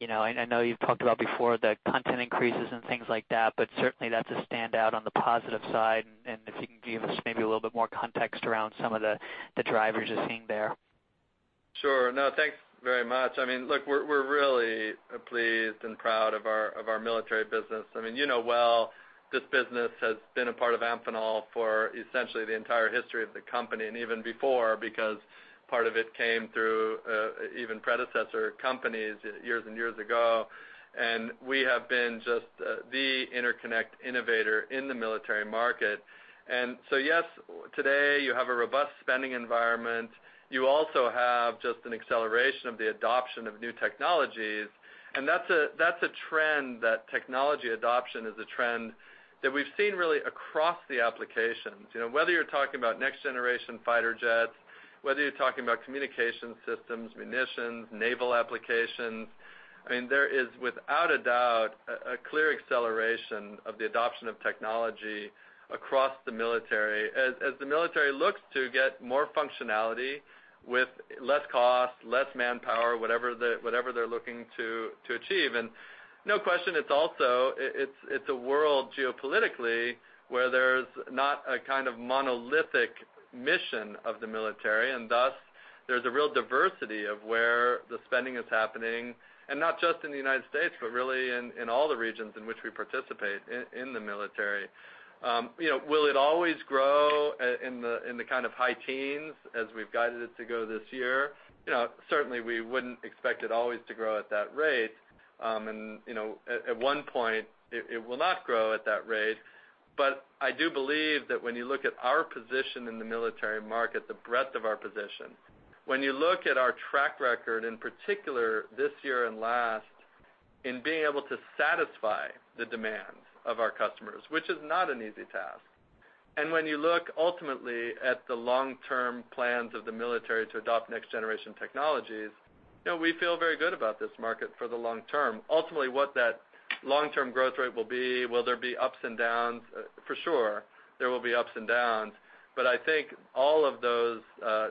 you know, I know you've talked about before the content increases and things like that, but certainly, that's a standout on the positive side, and if you can give us maybe a little bit more context around some of the drivers you're seeing there. Sure. No, thanks very much. I mean, look, we're, we're really pleased and proud of our, of our military business. I mean, you know well, this business has been a part of Amphenol for essentially the entire history of the company, and even before, because part of it came through even predecessor companies years and years ago. And we have been just the interconnect innovator in the military market. And so, yes, today, you have a robust spending environment. You also have just an acceleration of the adoption of new technologies, and that's a, that's a trend, that technology adoption is a trend that we've seen really across the applications. You know, whether you're talking about next-generation fighter jets, whether you're talking about communication systems, munitions, naval applications, I mean, there is, without a doubt, a, a clear acceleration of the adoption of technology across the military. As the military looks to get more functionality with less cost, less manpower, whatever they're looking to achieve. And no question, it's also a world geopolitically, where there's not a kind of monolithic mission of the military, and thus, there's a real diversity of where the spending is happening, and not just in the United States, but really in all the regions in which we participate in the military. You know, will it always grow in the kind of high teens, as we've guided it to go this year? You know, certainly, we wouldn't expect it always to grow at that rate. And you know, at one point, it will not grow at that rate. But I do believe that when you look at our position in the military market, the breadth of our position, when you look at our track record, in particular, this year and last, in being able to satisfy the demands of our customers, which is not an easy task, and when you look ultimately at the long-term plans of the military to adopt next-generation technologies, you know, we feel very good about this market for the long term. Ultimately, what that long-term growth rate will be, will there be ups and downs? For sure, there will be ups and downs, but I think all of those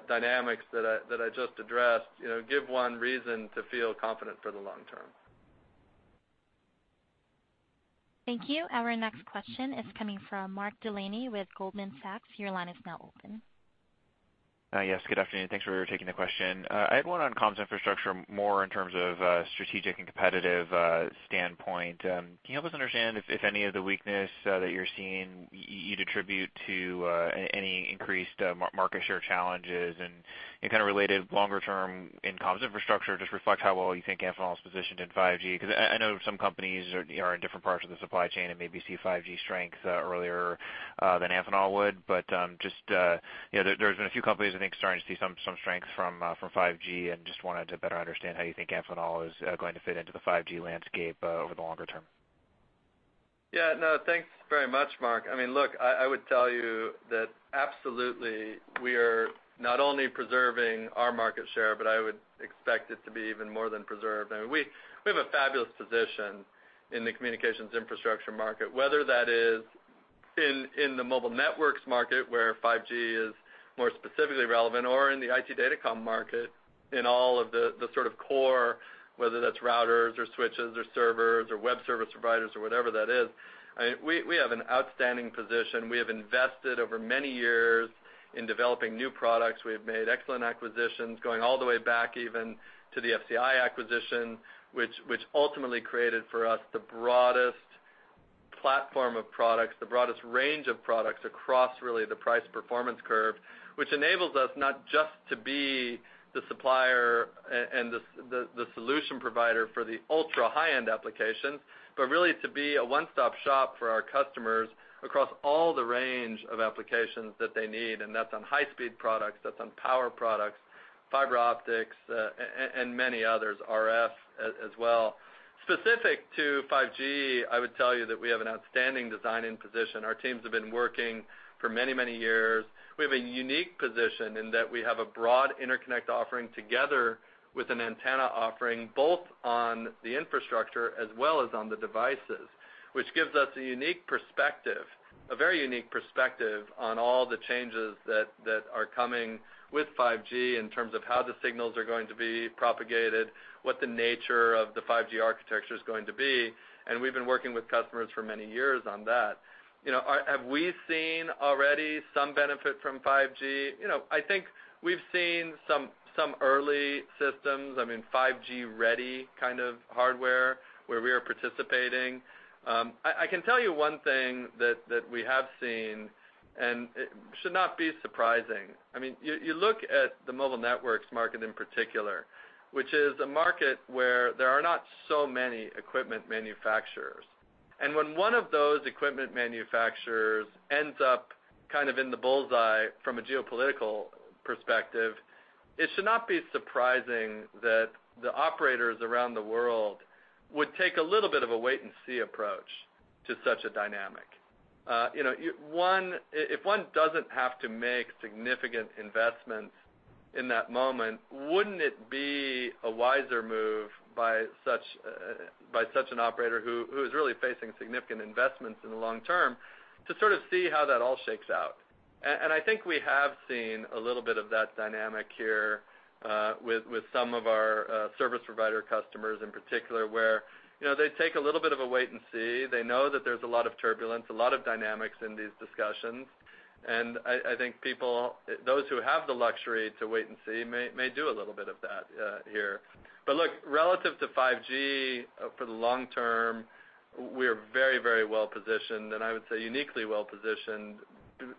dynamics that I just addressed, you know, give one reason to feel confident for the long term. Thank you. Our next question is coming from Mark Delaney with Goldman Sachs. Your line is now open. Yes, good afternoon. Thanks for taking the question. I had one on comms infrastructure, more in terms of, strategic and competitive, standpoint. Can you help us understand if any of the weakness that you're seeing, you'd attribute to any increased market share challenges? And kind of related longer term in comms infrastructure, just reflect how well you think Amphenol is positioned in 5G. 'Cause I know some companies are in different parts of the supply chain and maybe see 5G strength earlier than Amphenol would. But, just, you know, there, there's been a few companies, I think, starting to see some strength from 5G, and just wanted to better understand how you think Amphenol is going to fit into the 5G landscape over the longer term. Yeah. No, thanks very much, Mark. I mean, look, I, I would tell you that absolutely, we are not only preserving our market share, but I would expect it to be even more than preserved. I mean, we, we have a fabulous position in the communications infrastructure market, whether that is in, in the mobile networks market, where 5G is more specifically relevant, or in the IT datacom market, in all of the, the sort of core, whether that's routers or switches or servers or web service providers or whatever that is. I mean, we, we have an outstanding position. We have invested over many years in developing new products. We have made excellent acquisitions, going all the way back even to the FCI acquisition, which ultimately created for us the broadest platform of products, the broadest range of products across really the price-performance curve, which enables us not just to be the supplier and the solution provider for the ultra high-end applications, but really to be a one-stop shop for our customers across all the range of applications that they need, and that's on high-speed products, that's on power products, fiber optics, and many others, RF as well. Specific to 5G, I would tell you that we have an outstanding design and position. Our teams have been working for many, many years. We have a unique position in that we have a broad interconnect offering together with an antenna offering, both on the infrastructure as well as on the devices, which gives us a unique perspective, a very unique perspective on all the changes that are coming with 5G in terms of how the signals are going to be propagated, what the nature of the 5G architecture is going to be, and we've been working with customers for many years on that. You know, have we seen already some benefit from 5G? You know, I think we've seen some early systems, I mean, 5G-ready kind of hardware where we are participating. I can tell you one thing that we have seen, and it should not be surprising. I mean, you look at the mobile networks market in particular, which is a market where there are not so many equipment manufacturers. And when one of those equipment manufacturers ends up kind of in the bull's eye from a geopolitical perspective, it should not be surprising that the operators around the world would take a little bit of a wait-and-see approach to such a dynamic. You know, if one doesn't have to make significant investments in that moment, wouldn't it be a wiser move by such, by such an operator who is really facing significant investments in the long term, to sort of see how that all shakes out? And I think we have seen a little bit of that dynamic here, with some of our service provider customers in particular, where, you know, they take a little bit of a wait and see. They know that there's a lot of turbulence, a lot of dynamics in these discussions, and I think people, those who have the luxury to wait and see, may do a little bit of that, here. But look, relative to 5G, for the long term, we are very, very well positioned, and I would say uniquely well positioned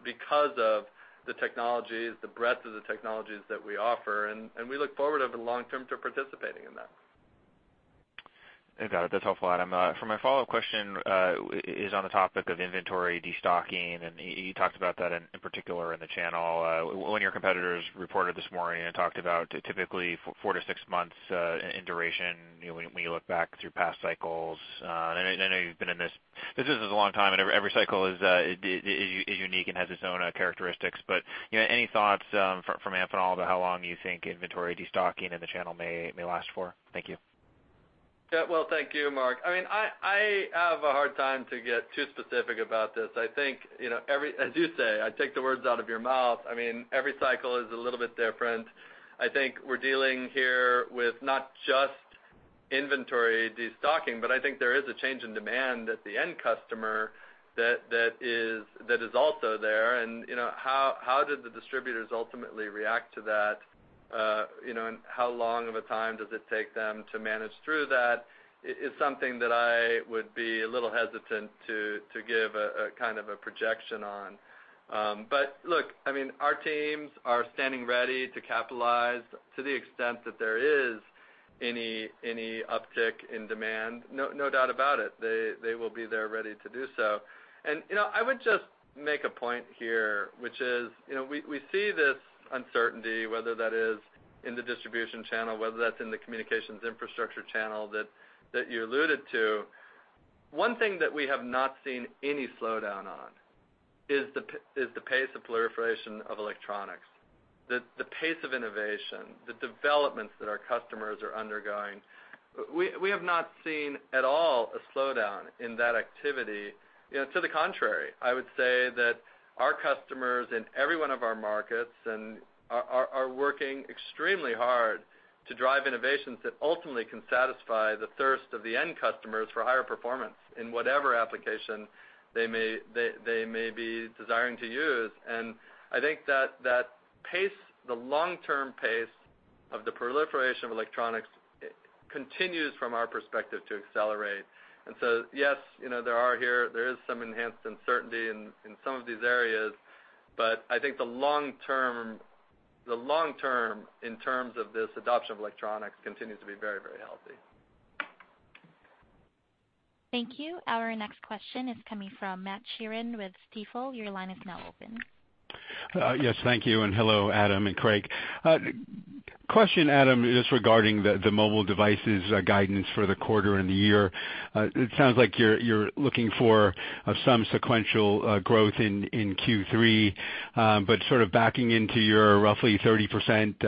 because of the technologies, the breadth of the technologies that we offer, and we look forward over the long term to participating in that. I got it. That's helpful, Adam. For my follow-up question is on the topic of inventory destocking, and you talked about that in particular in the channel. When your competitors reported this morning and talked about typically four to six months in duration, you know, when you look back through past cycles, and I know you've been in this business a long time, and every cycle is unique and has its own characteristics. But, you know, any thoughts from Amphenol about how long you think inventory destocking in the channel may last for? Thank you. Yeah, well, thank you, Mark. I mean, I have a hard time to get too specific about this. I think, you know, every... As you say, I take the words out of your mouth. I mean, every cycle is a little bit different. I think we're dealing here with not just inventory destocking, but I think there is a change in demand at the end customer that is also there. And, you know, how did the distributors ultimately react to that, you know, and how long of a time does it take them to manage through that, is something that I would be a little hesitant to give a kind of a projection on. But look, I mean, our teams are standing ready to capitalize to the extent that there is any uptick in demand. No, no doubt about it, they will be there ready to do so. You know, I would just make a point here, which is, you know, we see this uncertainty, whether that is in the distribution channel, whether that's in the communications infrastructure channel that you alluded to. One thing that we have not seen any slowdown on is the pace of proliferation of electronics, the pace of innovation, the developments that our customers are undergoing. We have not seen at all a slowdown in that activity. You know, to the contrary, I would say that our customers in every one of our markets and are working extremely hard to drive innovations that ultimately can satisfy the thirst of the end customers for higher performance in whatever application they may be desiring to use. And I think that, that pace, the long-term pace of the proliferation of electronics, continues from our perspective to accelerate. And so, yes, you know, there are here-there is some enhanced uncertainty in, in some of these areas, but I think the long term, the long term in terms of this adoption of electronics continues to be very, very healthy. Thank you. Our next question is coming from Matthew Sheerin with Stifel. Your line is now open. Yes, thank you, and hello, Adam and Craig. Question, Adam, is regarding the mobile devices guidance for the quarter and the year. It sounds like you're looking for some sequential growth in Q3. But sort of backing into your roughly 30%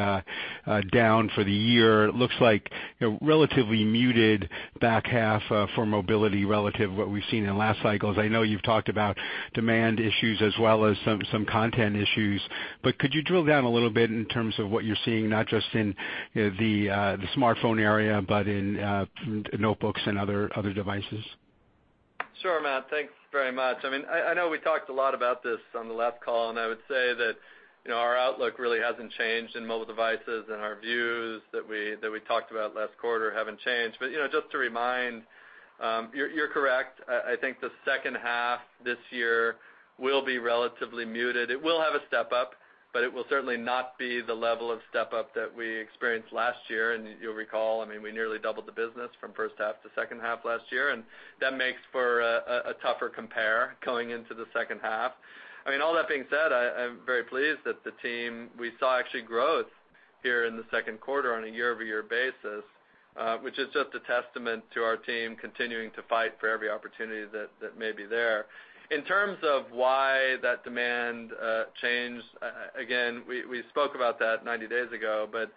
down for the year, it looks like a relatively muted back half for mobility relative to what we've seen in last cycles. I know you've talked about demand issues as well as some content issues, but could you drill down a little bit in terms of what you're seeing, not just in the smartphone area, but in notebooks and other devices? Sure, Matt. Thanks very much. I mean, I know we talked a lot about this on the last call, and I would say that, you know, our outlook really hasn't changed in mobile devices, and our views that we talked about last quarter haven't changed. But, you know, just to remind, you're correct. I think the second half this year will be relatively muted. It will have a step up, but it will certainly not be the level of step up that we experienced last year, and you'll recall, I mean, we nearly doubled the business from first half to second half last year, and that makes for a tougher compare going into the second half. I mean, all that being said, I, I'm very pleased that the team, we saw actually growth here in the Q2 on a year-over-year basis, which is just a testament to our team continuing to fight for every opportunity that may be there. In terms of why that demand changed, again, we, we spoke about that 90 days ago, but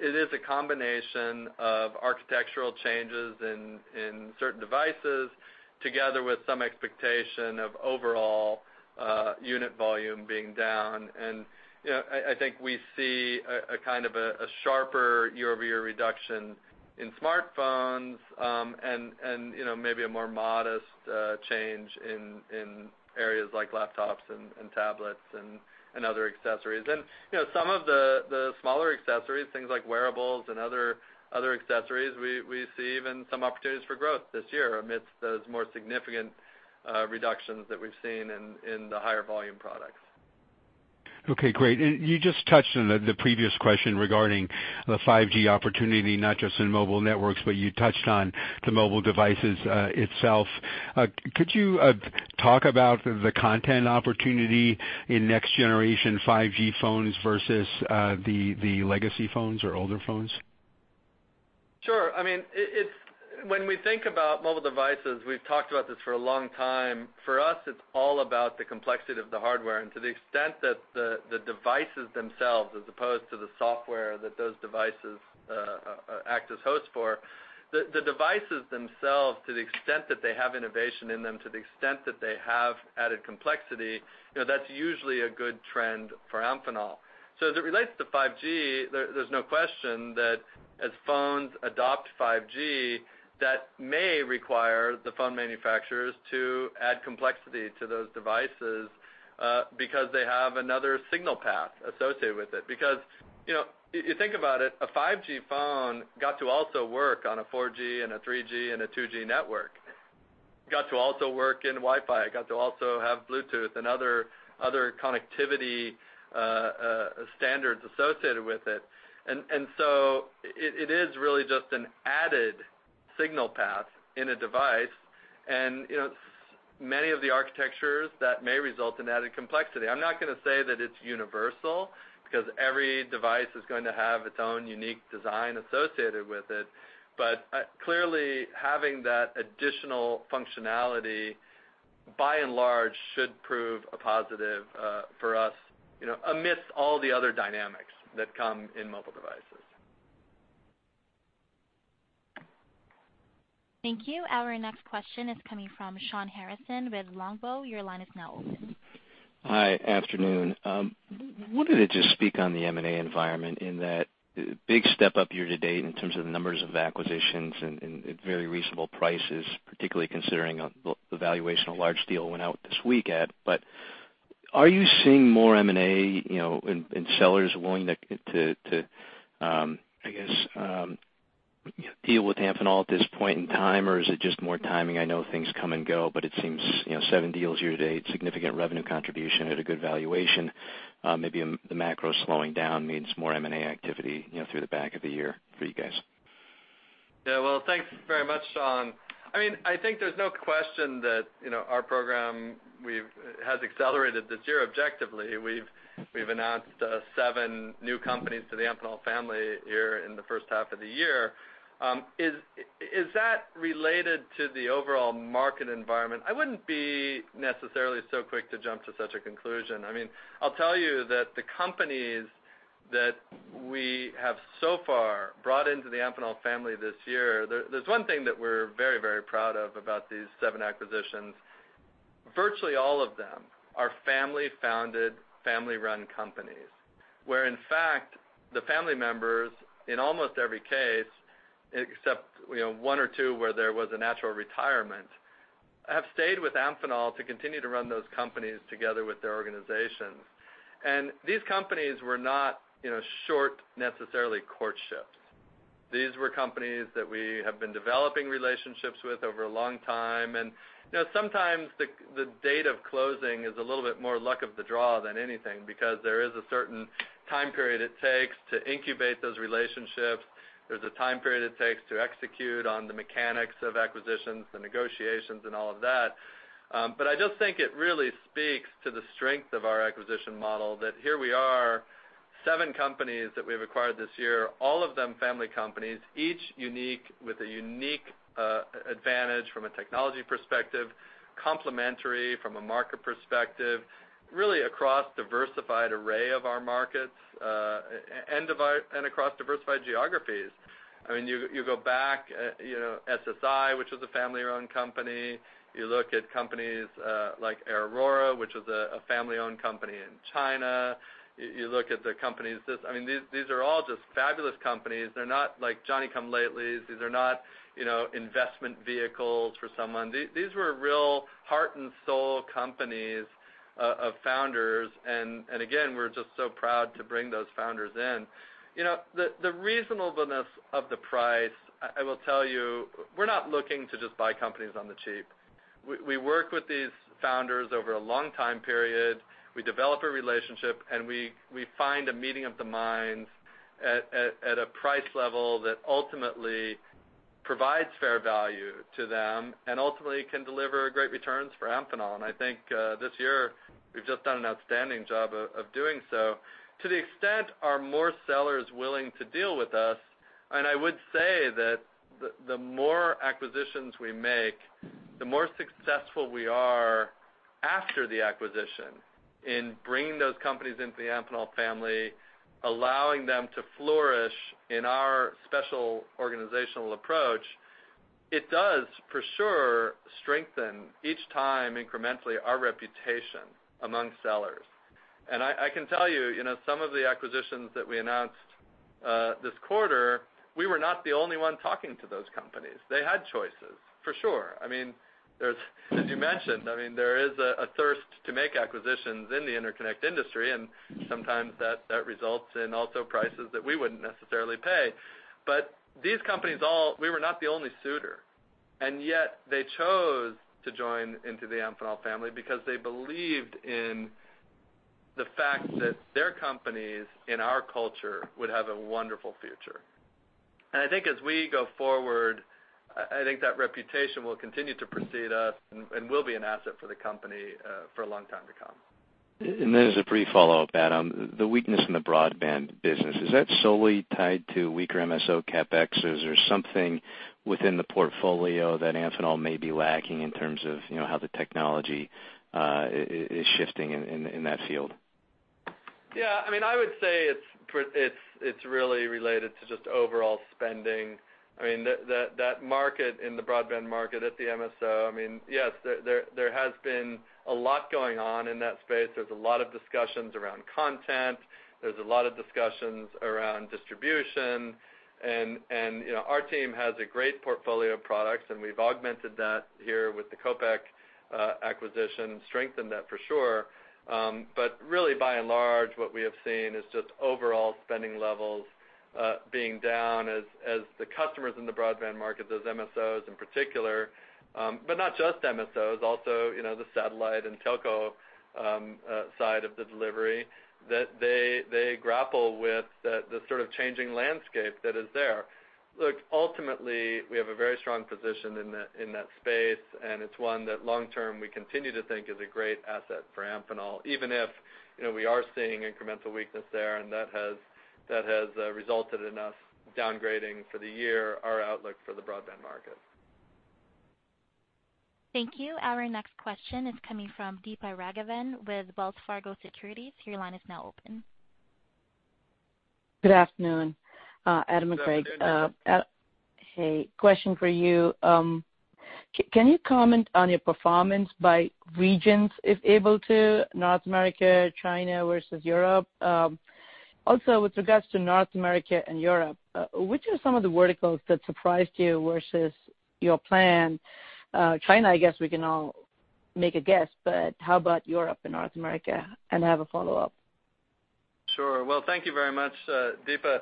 it is a combination of architectural changes in certain devices, together with some expectation of overall unit volume being down. And, you know, I, I think we see a kind of a sharper year-over-year reduction in smartphones, and you know, maybe a more modest change in areas like laptops and tablets and other accessories. And, you know, some of the smaller accessories, things like wearables and other accessories, we see even some opportunities for growth this year amidst those more significant reductions that we've seen in the higher volume products. Okay, great. And you just touched on the previous question regarding the 5G opportunity, not just in mobile networks, but you touched on the mobile devices itself. Could you talk about the content opportunity in next generation 5G phones versus the legacy phones or older phones? Sure. I mean, it's when we think about mobile devices, we've talked about this for a long time. For us, it's all about the complexity of the hardware, and to the extent that the devices themselves, as opposed to the software that those devices act as host for, the devices themselves, to the extent that they have innovation in them, to the extent that they have added complexity, you know, that's usually a good trend for Amphenol. So as it relates to 5G, there's no question that as phones adopt 5G, that may require the phone manufacturers to add complexity to those devices, because they have another signal path associated with it. Because, you know, you think about it, a 5G phone got to also work on a 4G and a 3G and a 2G network, got to also work in Wi-Fi, got to also have Bluetooth and other connectivity standards associated with it. And so it is really just an added signal path in a device, and, you know, many of the architectures that may result in added complexity. I'm not gonna say that it's universal, because every device is going to have its own unique design associated with it. But clearly, having that additional functionality, by and large, should prove a positive for us, you know, amidst all the other dynamics that come in mobile devices. Thank you. Our next question is coming from Shawn Harrison with Longbow. Your line is now open. Hi, afternoon. Wanted to just speak on the M&A environment in that big step-up year to date in terms of the numbers of acquisitions and at very reasonable prices, particularly considering, the valuation, a large deal went out this week at. But are you seeing more M&A, you know, and sellers willing to, to, I guess, deal with Amphenol at this point in time? Or is it just more timing? I know things come and go, but it seems, you know, seven deals year to date, significant revenue contribution at a good valuation, maybe the macro slowing down means more M&A activity, you know, through the back of the year for you guys. Yeah, well, thanks very much, Shawn. I mean, I think there's no question that, you know, our program has accelerated this year objectively. We've announced seven new companies to the Amphenol family here in the first half of the year. Is that related to the overall market environment? I wouldn't be necessarily so quick to jump to such a conclusion. I mean, I'll tell you that the companies that we have so far brought into the Amphenol family this year, there's one thing that we're very, very proud of about these seven acquisitions. Virtually all of them are family-founded, family-run companies, where, in fact, the family members, in almost every case, except, you know, one or two where there was a natural retirement, have stayed with Amphenol to continue to run those companies together with their organizations. These companies were not, you know, short, necessarily courtships. These were companies that we have been developing relationships with over a long time. You know, sometimes the date of closing is a little bit more luck of the draw than anything, because there is a certain time period it takes to incubate those relationships. There's a time period it takes to execute on the mechanics of acquisitions, the negotiations and all of that. But I just think it really speaks to the strength of our acquisition model that here we are, seven companies that we've acquired this year, all of them family companies, each unique with a unique advantage from a technology perspective, complementary from a market perspective, really across diversified array of our markets, and across diversified geographies. I mean, you go back, you know, SSI, which is a family-owned company. You look at companies like Aorora, which is a family-owned company in China. You look at the companies. I mean, these are all just fabulous companies. They're not like Johnny-come-latelys. They're not, you know, investment vehicles for someone. These were real heart and soul companies of founders, and again, we're just so proud to bring those founders in. You know, the reasonableness of the price, I will tell you, we're not looking to just buy companies on the cheap. We work with these founders over a long time period. We develop a relationship, and we find a meeting of the minds at a price level that ultimately provides fair value to them and ultimately can deliver great returns for Amphenol. And I think, this year, we've just done an outstanding job of doing so. To the extent, are more sellers willing to deal with us? And I would say that the more acquisitions we make, the more successful we are after the acquisition in bringing those companies into the Amphenol family, allowing them to flourish in our special organizational approach, it does, for sure, strengthen each time incrementally our reputation among sellers. And I can tell you, you know, some of the acquisitions that we announced, this quarter, we were not the only one talking to those companies. They had choices, for sure. I mean, there's, as you mentioned, I mean, there is a thirst to make acquisitions in the interconnect industry, and sometimes that results in also prices that we wouldn't necessarily pay. But these companies—we were not the only suitor, and yet they chose to join into the Amphenol family because they believed in the fact that their companies, in our culture, would have a wonderful future. And I think as we go forward, I, I think that reputation will continue to precede us and, and will be an asset for the company, for a long time to come. Then as a brief follow-up, Adam, the weakness in the broadband business is that solely tied to weaker MSO CapEx, or is there something within the portfolio that Amphenol may be lacking in terms of, you know, how the technology is shifting in that field? Yeah, I mean, I would say it's really related to just overall spending. I mean, that market, in the broadband market at the MSO, I mean, yes, there has been a lot going on in that space. There's a lot of discussions around content. There's a lot of discussions around distribution. And, you know, our team has a great portfolio of products, and we've augmented that here with the Kopek acquisition, strengthened that for sure. But really, by and large, what we have seen is just overall spending levels being down as the customers in the broadband market, those MSOs in particular, but not just MSOs, also, you know, the satellite and telco side of the delivery, that they grapple with the sort of changing landscape that is there. Look, ultimately, we have a very strong position in that, in that space, and it's one that long term we continue to think is a great asset for Amphenol, even if, you know, we are seeing incremental weakness there, and that has, that has, resulted in us downgrading for the year our outlook for the broadband market. Thank you. Our next question is coming from Deepa Raghavan with Wells Fargo Securities. Your line is now open. Good afternoon, Adam and Craig. Good afternoon, Deepa. Hey, question for you. Can you comment on your performance by regions, if able to, North America, China versus Europe? Also, with regards to North America and Europe, which are some of the verticals that surprised you versus your plan? China, I guess we can all make a guess, but how about Europe and North America? And I have a follow-up. Sure. Well, thank you very much, Deepa.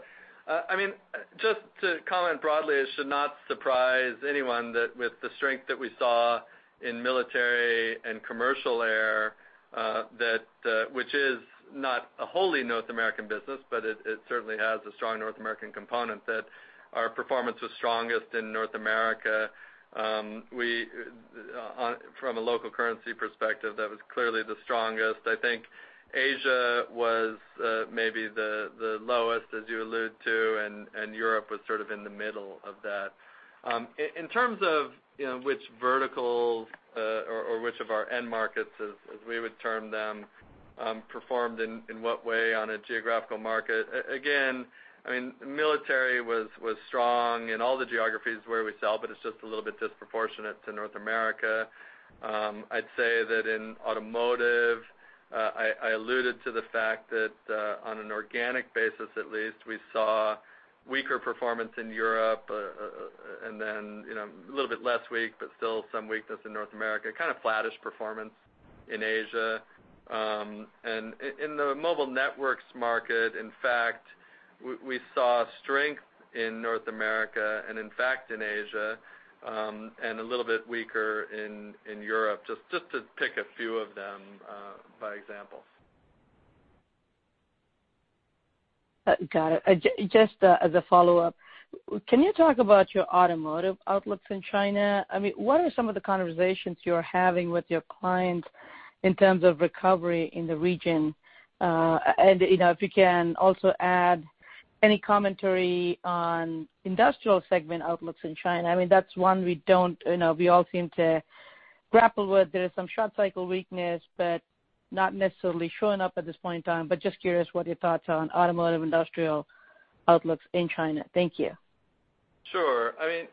I mean, just to comment broadly, it should not surprise anyone that with the strength that we saw in military and commercial air, that, which is not a wholly North American business, but it certainly has a strong North American component, that our performance was strongest in North America. We, from a local currency perspective, that was clearly the strongest. I think Asia was, maybe the lowest, as you allude to, and Europe was sort of in the middle of that. In terms of, you know, which verticals, or which of our end markets, as we would term them, performed in what way on a geographical market? Again, I mean, military was strong in all the geographies where we sell, but it's just a little bit disproportionate to North America. I'd say that in automotive, I alluded to the fact that, on an organic basis at least, we saw weaker performance in Europe, and then, you know, a little bit less weak, but still some weakness in North America, kind of flattish performance in Asia. And in the mobile networks market, in fact, we saw strength in North America and, in fact, in Asia, and a little bit weaker in Europe, just to pick a few of them, by example. Got it. Just as a follow-up, can you talk about your automotive outlooks in China? I mean, what are some of the conversations you're having with your clients in terms of recovery in the region? And, you know, if you can also add any commentary on industrial segment outlooks in China. I mean, that's one we don't, you know, we all seem to grapple with. There is some short cycle weakness, but not necessarily showing up at this point in time, but just curious what your thoughts are on automotive industrial outlooks in China. Thank you.... Sure. I mean,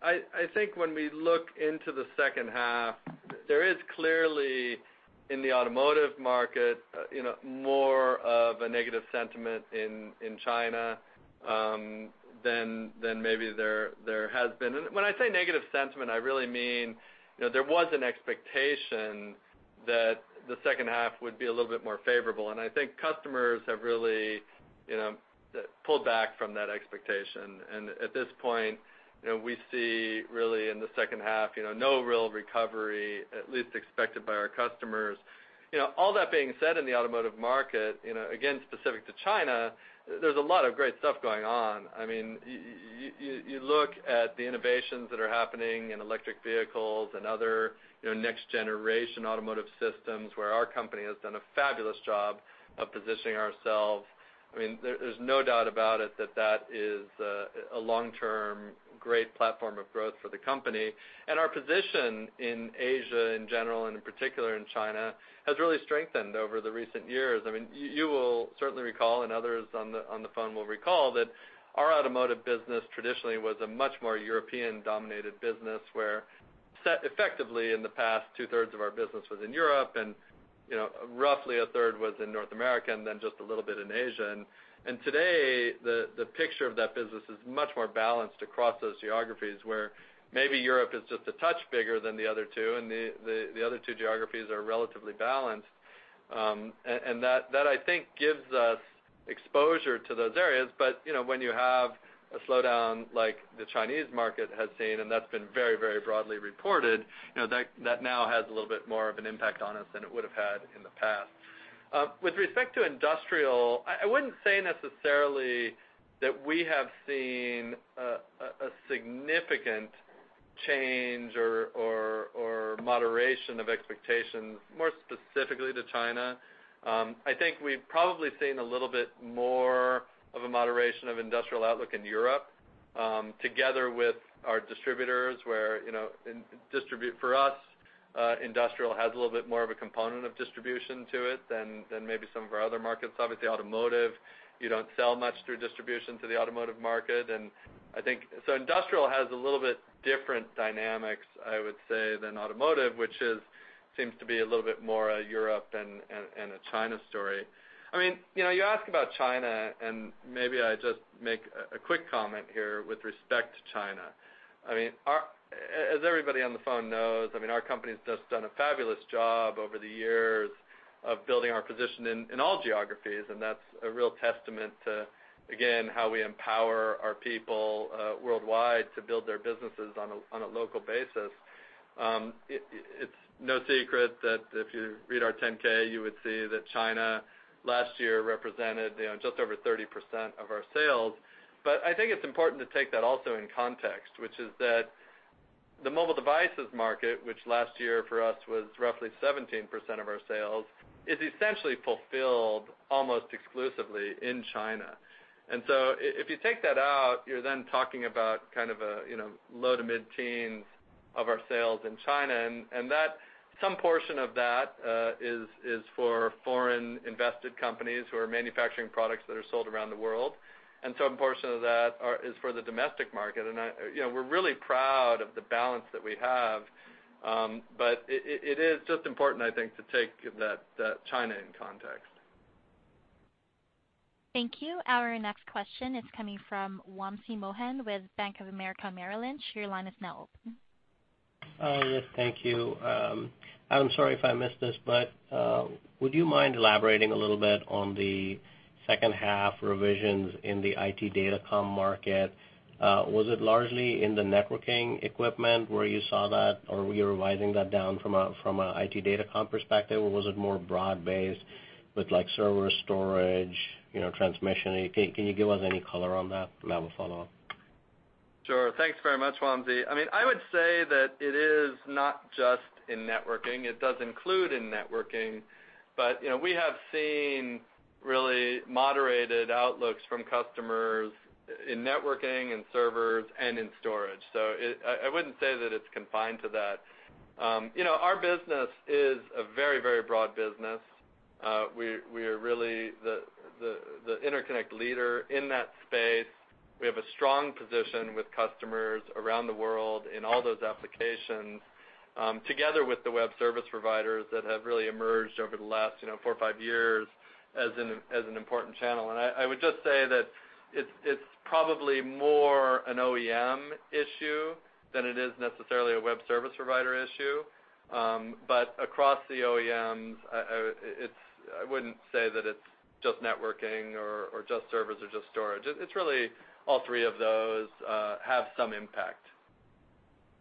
I think when we look into the second half, there is clearly, in the automotive market, you know, more of a negative sentiment in China than maybe there has been. And when I say negative sentiment, I really mean, you know, there was an expectation that the second half would be a little bit more favorable, and I think customers have really, you know, pulled back from that expectation. And at this point, you know, we see really in the second half, you know, no real recovery, at least expected by our customers. You know, all that being said in the automotive market, you know, again, specific to China, there's a lot of great stuff going on. I mean, you look at the innovations that are happening in electric vehicles and other, you know, next-generation automotive systems, where our company has done a fabulous job of positioning ourselves. I mean, there's no doubt about it that that is a long-term, great platform of growth for the company. And our position in Asia, in general, and in particular in China, has really strengthened over the recent years. I mean, you will certainly recall, and others on the phone will recall, that our automotive business traditionally was a much more European-dominated business, where set effectively in the past, two-thirds of our business was in Europe and, you know, roughly a third was in North America and then just a little bit in Asia. And today, the picture of that business is much more balanced across those geographies, where maybe Europe is just a touch bigger than the other two, and the other two geographies are relatively balanced. And that I think gives us exposure to those areas. But you know, when you have a slowdown like the Chinese market has seen, and that's been very, very broadly reported, you know, that now has a little bit more of an impact on us than it would have had in the past. With respect to industrial, I wouldn't say necessarily that we have seen a significant change or moderation of expectations, more specifically to China. I think we've probably seen a little bit more of a moderation of industrial outlook in Europe, together with our distributors, where, you know, for us, industrial has a little bit more of a component of distribution to it than maybe some of our other markets. Obviously, automotive, you don't sell much through distribution to the automotive market. And I think, so industrial has a little bit different dynamics, I would say, than automotive, which seems to be a little bit more a Europe and a China story. I mean, you know, you ask about China, and maybe I just make a quick comment here with respect to China. I mean, as everybody on the phone knows, I mean, our company has just done a fabulous job over the years of building our position in all geographies, and that's a real testament to, again, how we empower our people worldwide to build their businesses on a local basis. It's no secret that if you read our 10-K, you would see that China last year represented, you know, just over 30% of our sales. But I think it's important to take that also in context, which is that the mobile devices market, which last year for us was roughly 17% of our sales, is essentially fulfilled almost exclusively in China. And so if you take that out, you're then talking about kind of a, you know, low- to mid-teens% of our sales in China. That some portion of that is for foreign invested companies who are manufacturing products that are sold around the world, and some portion of that is for the domestic market. You know, we're really proud of the balance that we have, but it is just important, I think, to take that China in context. Thank you. Our next question is coming from Wamsi Mohan with Bank of America Merrill Lynch. Your line is now open. Yes, thank you. I'm sorry if I missed this, but would you mind elaborating a little bit on the second half revisions in the IT datacom market? Was it largely in the networking equipment where you saw that, or were you revising that down from an IT datacom perspective, or was it more broad-based with like server storage, you know, transmission? Can you give us any color on that? And I have a follow-up. Sure. Thanks very much, Wamsi. I mean, I would say that it is not just in networking. It does include in networking, but, you know, we have seen really moderated outlooks from customers in networking and servers and in storage. So I wouldn't say that it's confined to that. You know, our business is a very, very broad business. We are really the interconnect leader in that space. We have a strong position with customers around the world in all those applications, together with the web service providers that have really emerged over the last, you know, four or five years as an important channel. And I would just say that it's probably more an OEM issue than it is necessarily a web service provider issue. But across the OEMs, it's. I wouldn't say that it's just networking or just servers or just storage. It's really all three of those have some impact.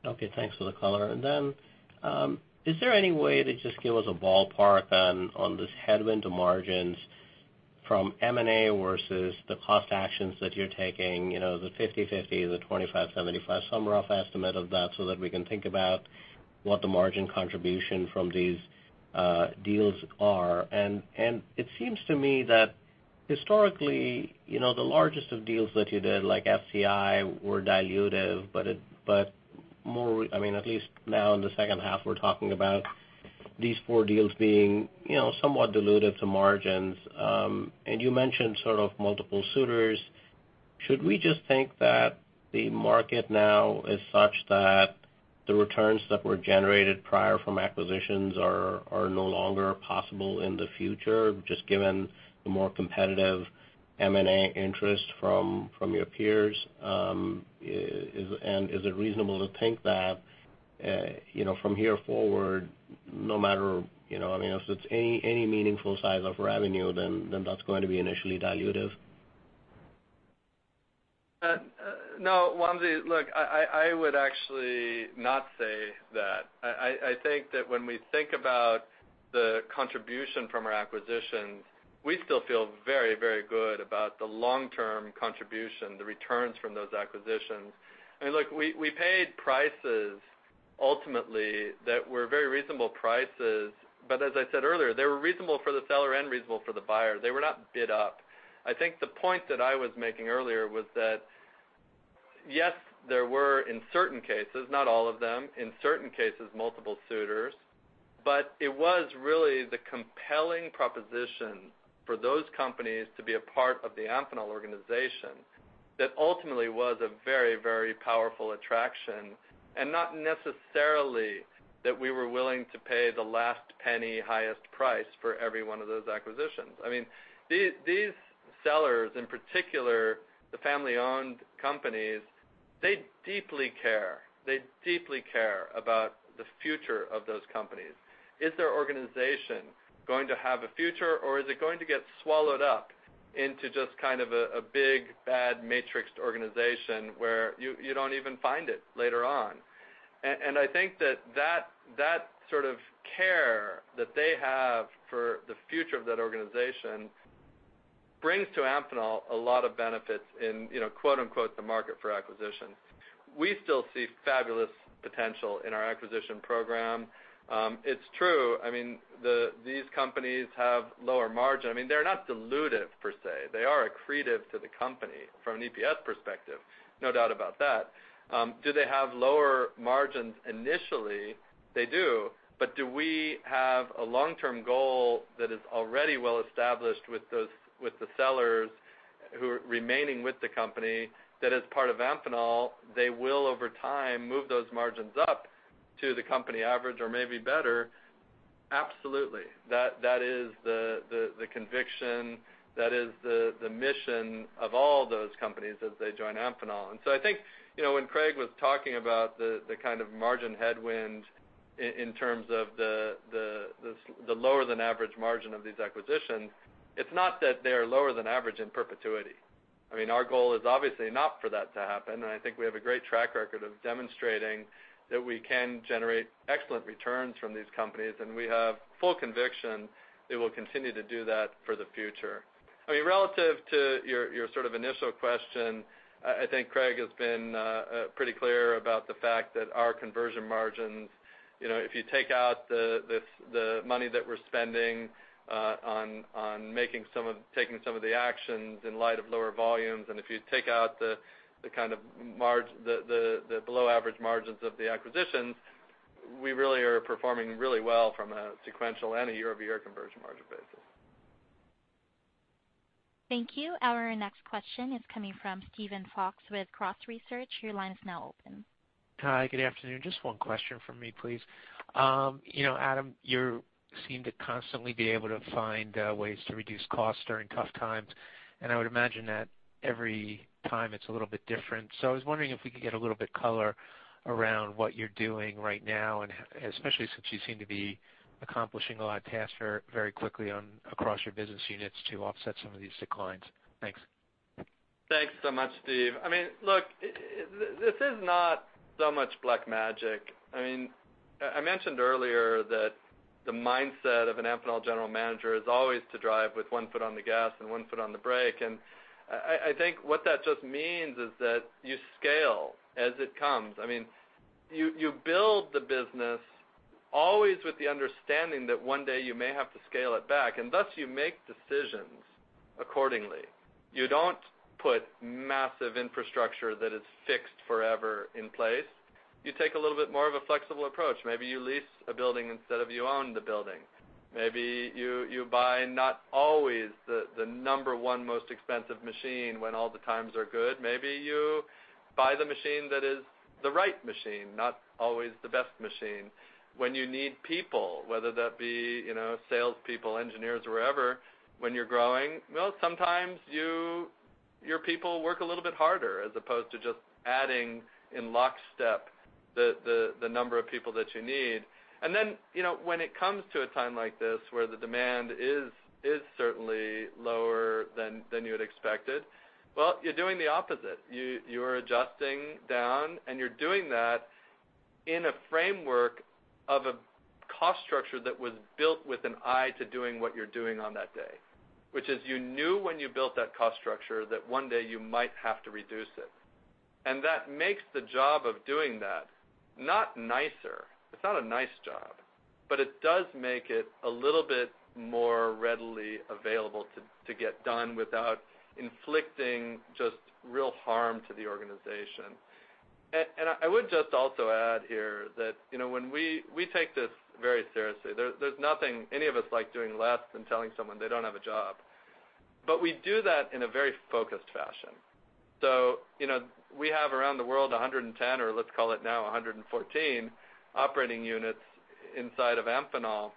Okay, thanks for the color. And then, is there any way to just give us a ballpark on this headwind to margins from M&A versus the cost actions that you're taking, you know, the 50/50, the 25/75, some rough estimate of that, so that we can think about what the margin contribution from these deals are? And it seems to me that historically, you know, the largest of deals that you did, like FCI, were dilutive, but more, I mean, at least now in the second half, we're talking about these four deals being, you know, somewhat dilutive to margins. And you mentioned sort of multiple suitors. Should we just think that the market now is such that the returns that were generated prior from acquisitions are no longer possible in the future, just given the more competitive M&A interest from your peers? Is it reasonable to think that, you know, from here forward, no matter, you know, I mean, if it's any meaningful size of revenue, then that's going to be initially dilutive? No, Wamsi, look, I would actually not say that. I think that when we think about the contribution from our acquisitions, we still feel very, very good about the long-term contribution, the returns from those acquisitions. I mean, look, we paid prices ultimately that were very reasonable prices, but as I said earlier, they were reasonable for the seller and reasonable for the buyer. They were not bid up. I think the point that I was making earlier was that, yes, there were, in certain cases, not all of them, in certain cases, multiple suitors, but it was really the compelling proposition for those companies to be a part of the Amphenol organization that ultimately was a very, very powerful attraction, and not necessarily that we were willing to pay the last penny highest price for every one of those acquisitions. I mean, these sellers, in particular, the family-owned companies, they deeply care, they deeply care about the future of those companies. Is their organization going to have a future, or is it going to get swallowed up into just kind of a big, bad matrixed organization where you don't even find it later on? And I think that sort of care that they have for the future of that organization brings to Amphenol a lot of benefits in, you know, quote, unquote, "the market for acquisition." We still see fabulous potential in our acquisition program. It's true, I mean, these companies have lower margin. I mean, they're not dilutive per se. They are accretive to the company from an EPS perspective, no doubt about that. Do they have lower margins initially? They do. But do we have a long-term goal that is already well established with those—with the sellers who are remaining with the company, that as part of Amphenol, they will, over time, move those margins up to the company average or maybe better? Absolutely. That is the conviction, that is the mission of all those companies as they join Amphenol. And so I think, you know, when Craig was talking about the kind of margin headwind in terms of the lower than average margin of these acquisitions, it's not that they are lower than average in perpetuity. I mean, our goal is obviously not for that to happen, and I think we have a great track record of demonstrating that we can generate excellent returns from these companies, and we have full conviction it will continue to do that for the future. I mean, relative to your sort of initial question, I think Craig has been pretty clear about the fact that our conversion margins, you know, if you take out the money that we're spending on taking some of the actions in light of lower volumes, and if you take out the kind of margin, the below average margins of the acquisitions, we really are performing really well from a sequential and a year-over-year conversion margin basis. Thank you. Our next question is coming from Steven Fox with Cross Research. Your line is now open. Hi, good afternoon. Just one question from me, please. You know, Adam, you seem to constantly be able to find ways to reduce costs during tough times, and I would imagine that every time it's a little bit different. So I was wondering if we could get a little bit color around what you're doing right now, and especially since you seem to be accomplishing a lot of tasks very, very quickly on across your business units to offset some of these declines. Thanks. Thanks so much, Steve. I mean, look, this is not so much black magic. I mean, I mentioned earlier that the mindset of an Amphenol general manager is always to drive with one foot on the gas and one foot on the brake. I think what that just means is that you scale as it comes. I mean, you build the business always with the understanding that one day you may have to scale it back, and thus, you make decisions accordingly. You don't put massive infrastructure that is fixed forever in place. You take a little bit more of a flexible approach. Maybe you lease a building instead of you own the building. Maybe you buy not always the number one most expensive machine when all the times are good. Maybe you buy the machine that is the right machine, not always the best machine. When you need people, whether that be, you know, salespeople, engineers, or whatever, when you're growing, well, sometimes you, your people work a little bit harder, as opposed to just adding in lockstep the number of people that you need. And then, you know, when it comes to a time like this, where the demand is certainly lower than you had expected, well, you're doing the opposite. You are adjusting down, and you're doing that in a framework of a cost structure that was built with an eye to doing what you're doing on that day, which is you knew when you built that cost structure, that one day you might have to reduce it. And that makes the job of doing that not nicer. It's not a nice job. But it does make it a little bit more readily available to, to get done without inflicting just real harm to the organization. And, and I would just also add here that, you know, when we, we take this very seriously. There's nothing any of us like doing less than telling someone they don't have a job. But we do that in a very focused fashion. So, you know, we have around the world, 110, or let's call it now 114, operating units inside of Amphenol.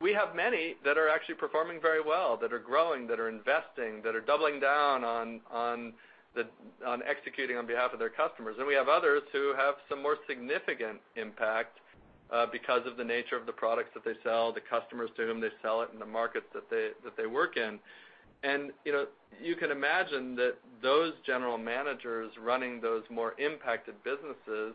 We have many that are actually performing very well, that are growing, that are investing, that are doubling down on, on the- on executing on behalf of their customers. And we have others who have some more significant impact, because of the nature of the products that they sell, the customers to whom they sell it, and the markets that they work in. And, you know, you can imagine that those general managers running those more impacted businesses,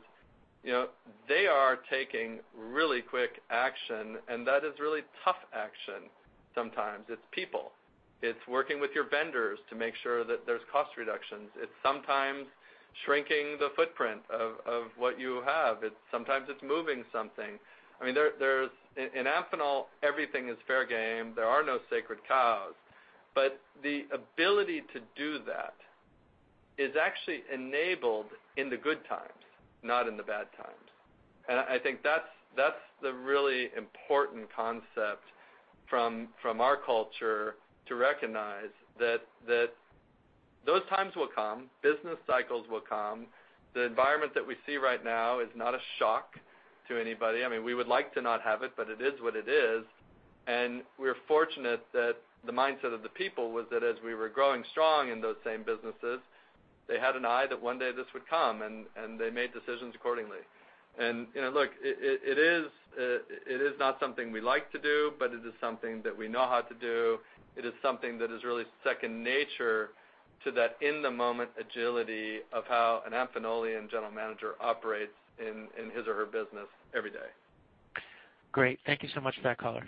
you know, they are taking really quick action, and that is really tough action sometimes. It's people. It's working with your vendors to make sure that there's cost reductions. It's sometimes shrinking the footprint of what you have. It's sometimes moving something. I mean, in Amphenol, everything is fair game. There are no sacred cows. But the ability to do that is actually enabled in the good times, not in the bad times. I think that's the really important concept from our culture to recognize, that those times will come, business cycles will come. The environment that we see right now is not a shock to anybody. I mean, we would like to not have it, but it is what it is, and we're fortunate that the mindset of the people was that as we were growing strong in those same businesses, they had an eye that one day this would come, and they made decisions accordingly. You know, look, it is not something we like to do, but it is something that we know how to do. It is something that is really second nature to that in-the-moment agility of how an Amphenolian general manager operates in his or her business every day. Great. Thank you so much for that color.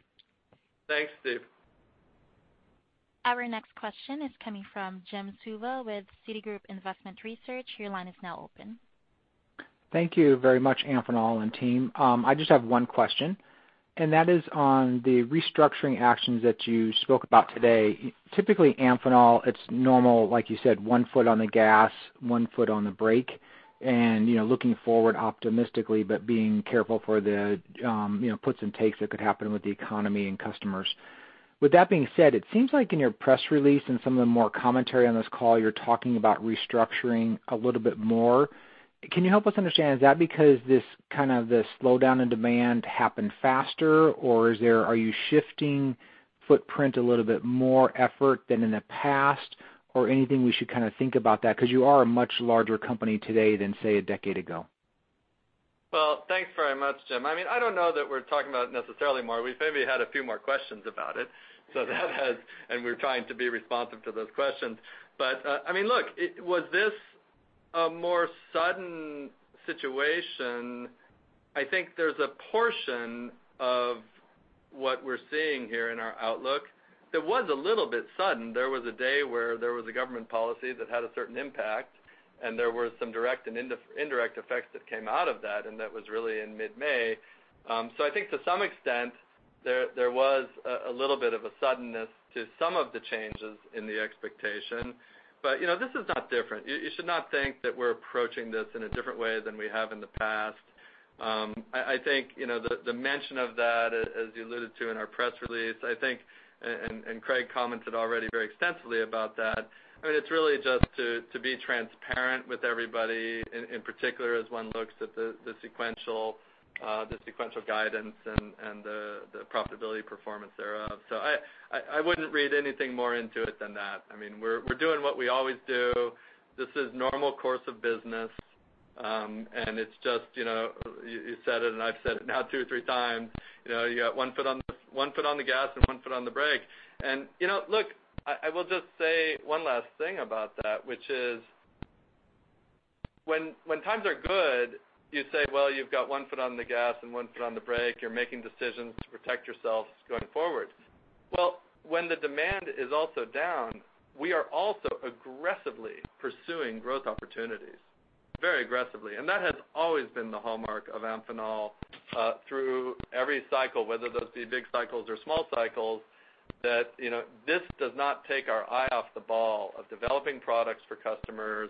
Thanks, Steve. Our next question is coming from Jim Suva with Citigroup Investment Research. Your line is now open. Thank you very much, Amphenol and team. I just have one question, and that is on the restructuring actions that you spoke about today. Typically, Amphenol, it's normal, like you said, one foot on the gas, one foot on the brake, and, you know, looking forward optimistically, but being careful for the, you know, puts and takes that could happen with the economy and customers. With that being said, it seems like in your press release and some of the more commentary on this call, you're talking about restructuring a little bit more. Can you help us understand, is that because this kind of the slowdown in demand happened faster, or is there - are you shifting footprint a little bit more effort than in the past, or anything we should kind of think about that? Because you are a much larger company today than, say, a decade ago. Well, thanks very much, Jim. I mean, I don't know that we're talking about necessarily more. We've maybe had a few more questions about it, so that has, and we're trying to be responsive to those questions. But, I mean, look, it was this a more sudden situation? I think there's a portion of what we're seeing here in our outlook that was a little bit sudden. There was a day where there was a government policy that had a certain impact, and there were some direct and indirect effects that came out of that, and that was really in mid-May. So I think to some extent, there was a little bit of a suddenness to some of the changes in the expectation. But, you know, this is not different. You should not think that we're approaching this in a different way than we have in the past. I think, you know, the mention of that, as you alluded to in our press release, I think, and Craig commented already very extensively about that. I mean, it's really just to be transparent with everybody, in particular, as one looks at the sequential guidance and the profitability performance thereof. So I wouldn't read anything more into it than that. I mean, we're doing what we always do. This is normal course of business, and it's just, you know, you said it, and I've said it now two or three times, you know, you got one foot on the gas and one foot on the brake. And, you know, look, I will just say one last thing about that, which is when times are good, you say, well, you've got one foot on the gas and one foot on the brake. You're making decisions to protect yourselves going forward. Well, when the demand is also down, we are also aggressively pursuing growth opportunities, very aggressively. And that has always been the hallmark of Amphenol through every cycle, whether those be big cycles or small cycles, that, you know, this does not take our eye off the ball of developing products for customers,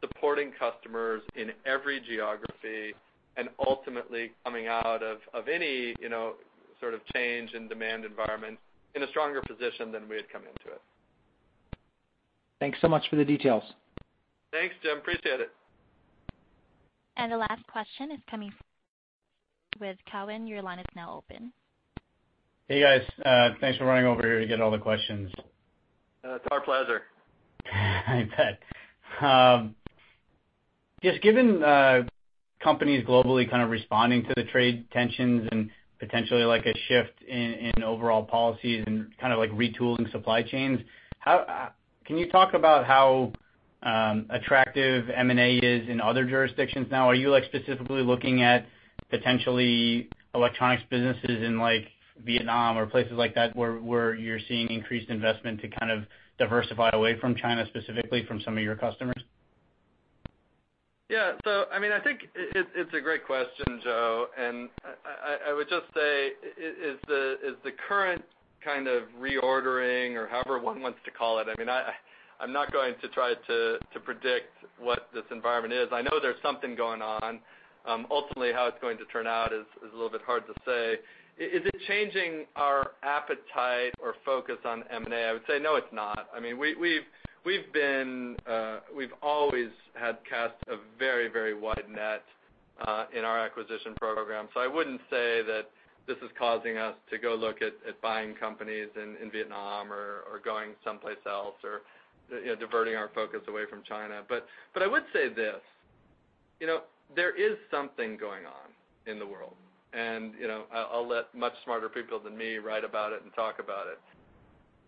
supporting customers in every geography, and ultimately coming out of any, you know, sort of change in demand environment, in a stronger position than we had come into it. Thanks so much for the details. Thanks, Jim. Appreciate it. The last question is coming from Joseph with Cowen. Your line is now open. Hey, guys, thanks for running over here to get all the questions. It's our pleasure. I bet. Just given companies globally kind of responding to the trade tensions and potentially like a shift in overall policies and kind of like retooling supply chains, how can you talk about how attractive M&A is in other jurisdictions now? Are you like specifically looking at potentially electronics businesses in like Vietnam or places like that, where you're seeing increased investment to kind of diversify away from China, specifically from some of your customers?... Yeah. So I mean, I think it's a great question, Joe, and I would just say, is the current kind of reordering or however one wants to call it, I mean, I'm not going to try to predict what this environment is. I know there's something going on. Ultimately, how it's going to turn out is a little bit hard to say. Is it changing our appetite or focus on M&A? I would say, no, it's not. I mean, we've been, we've always had cast a very, very wide net in our acquisition program. So I wouldn't say that this is causing us to go look at buying companies in Vietnam or going someplace else or, you know, diverting our focus away from China. But I would say this: You know, there is something going on in the world, and, you know, I'll let much smarter people than me write about it and talk about it.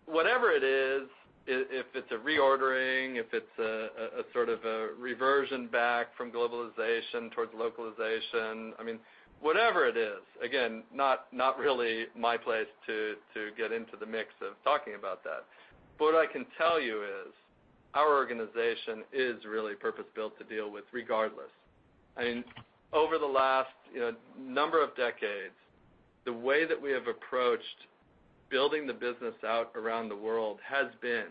Whatever it is, if it's a reordering, if it's a sort of a reversion back from globalization towards localization, I mean, whatever it is, again, not really my place to get into the mix of talking about that. But what I can tell you is, our organization is really purpose-built to deal with regardless. I mean, over the last, you know, number of decades, the way that we have approached building the business out around the world has been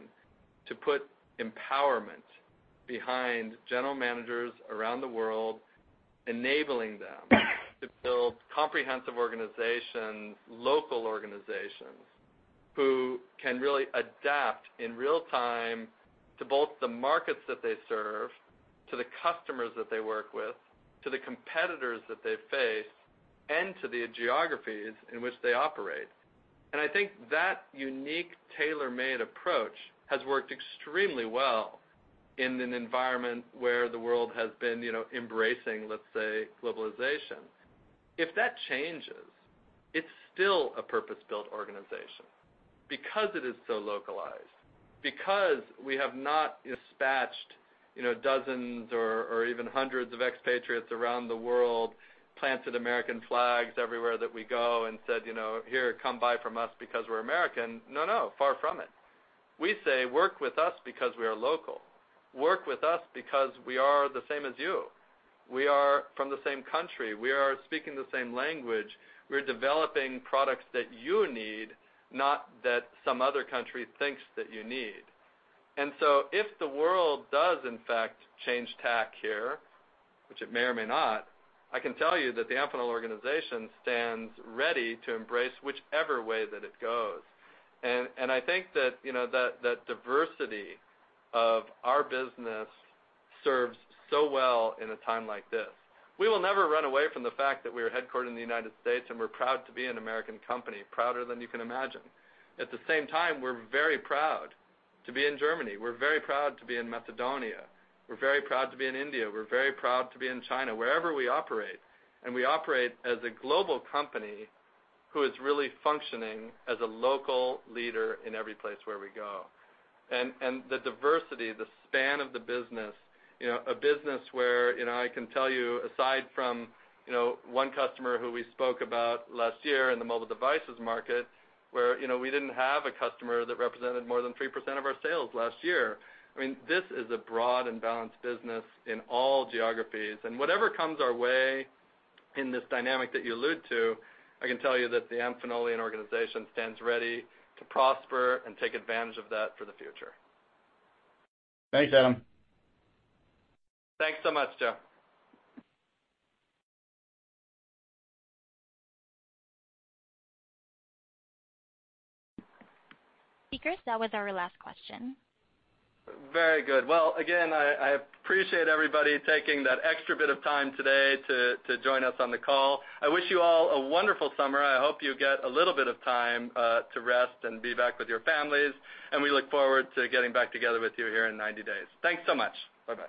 to put empowerment behind general managers around the world, enabling them to build comprehensive organizations, local organizations, who can really adapt in real time to both the markets that they serve, to the customers that they work with, to the competitors that they face, and to the geographies in which they operate. I think that unique, tailor-made approach has worked extremely well in an environment where the world has been, you know, embracing, let's say, globalization. If that changes, it's still a purpose-built organization because it is so localized, because we have not dispatched, you know, dozens or even hundreds of expatriates around the world, planted American flags everywhere that we go and said, "You know, here, come buy from us because we're American." No, no, far from it. We say, "Work with us because we are local. Work with us because we are the same as you. We are from the same country. We are speaking the same language. We're developing products that you need, not that some other country thinks that you need." And so if the world does, in fact, change tack here, which it may or may not, I can tell you that the Amphenol organization stands ready to embrace whichever way that it goes. I think that, you know, that diversity of our business serves so well in a time like this. We will never run away from the fact that we are headquartered in the United States, and we're proud to be an American company, prouder than you can imagine. At the same time, we're very proud to be in Germany. We're very proud to be in Macedonia. We're very proud to be in India. We're very proud to be in China, wherever we operate, and we operate as a global company who is really functioning as a local leader in every place where we go. And the diversity, the span of the business, you know, a business where, you know, I can tell you, aside from, you know, one customer who we spoke about last year in the mobile devices market, where, you know, we didn't have a customer that represented more than 3% of our sales last year. I mean, this is a broad and balanced business in all geographies. And whatever comes our way in this dynamic that you allude to, I can tell you that the Amphenolian organization stands ready to prosper and take advantage of that for the future. Thanks, Adam. Thanks so much, Joe. Speakers, that was our last question. Very good. Well, again, I appreciate everybody taking that extra bit of time today to join us on the call. I wish you all a wonderful summer. I hope you get a little bit of time to rest and be back with your families, and we look forward to getting back together with you here in 90 days. Thanks so much. Bye-bye.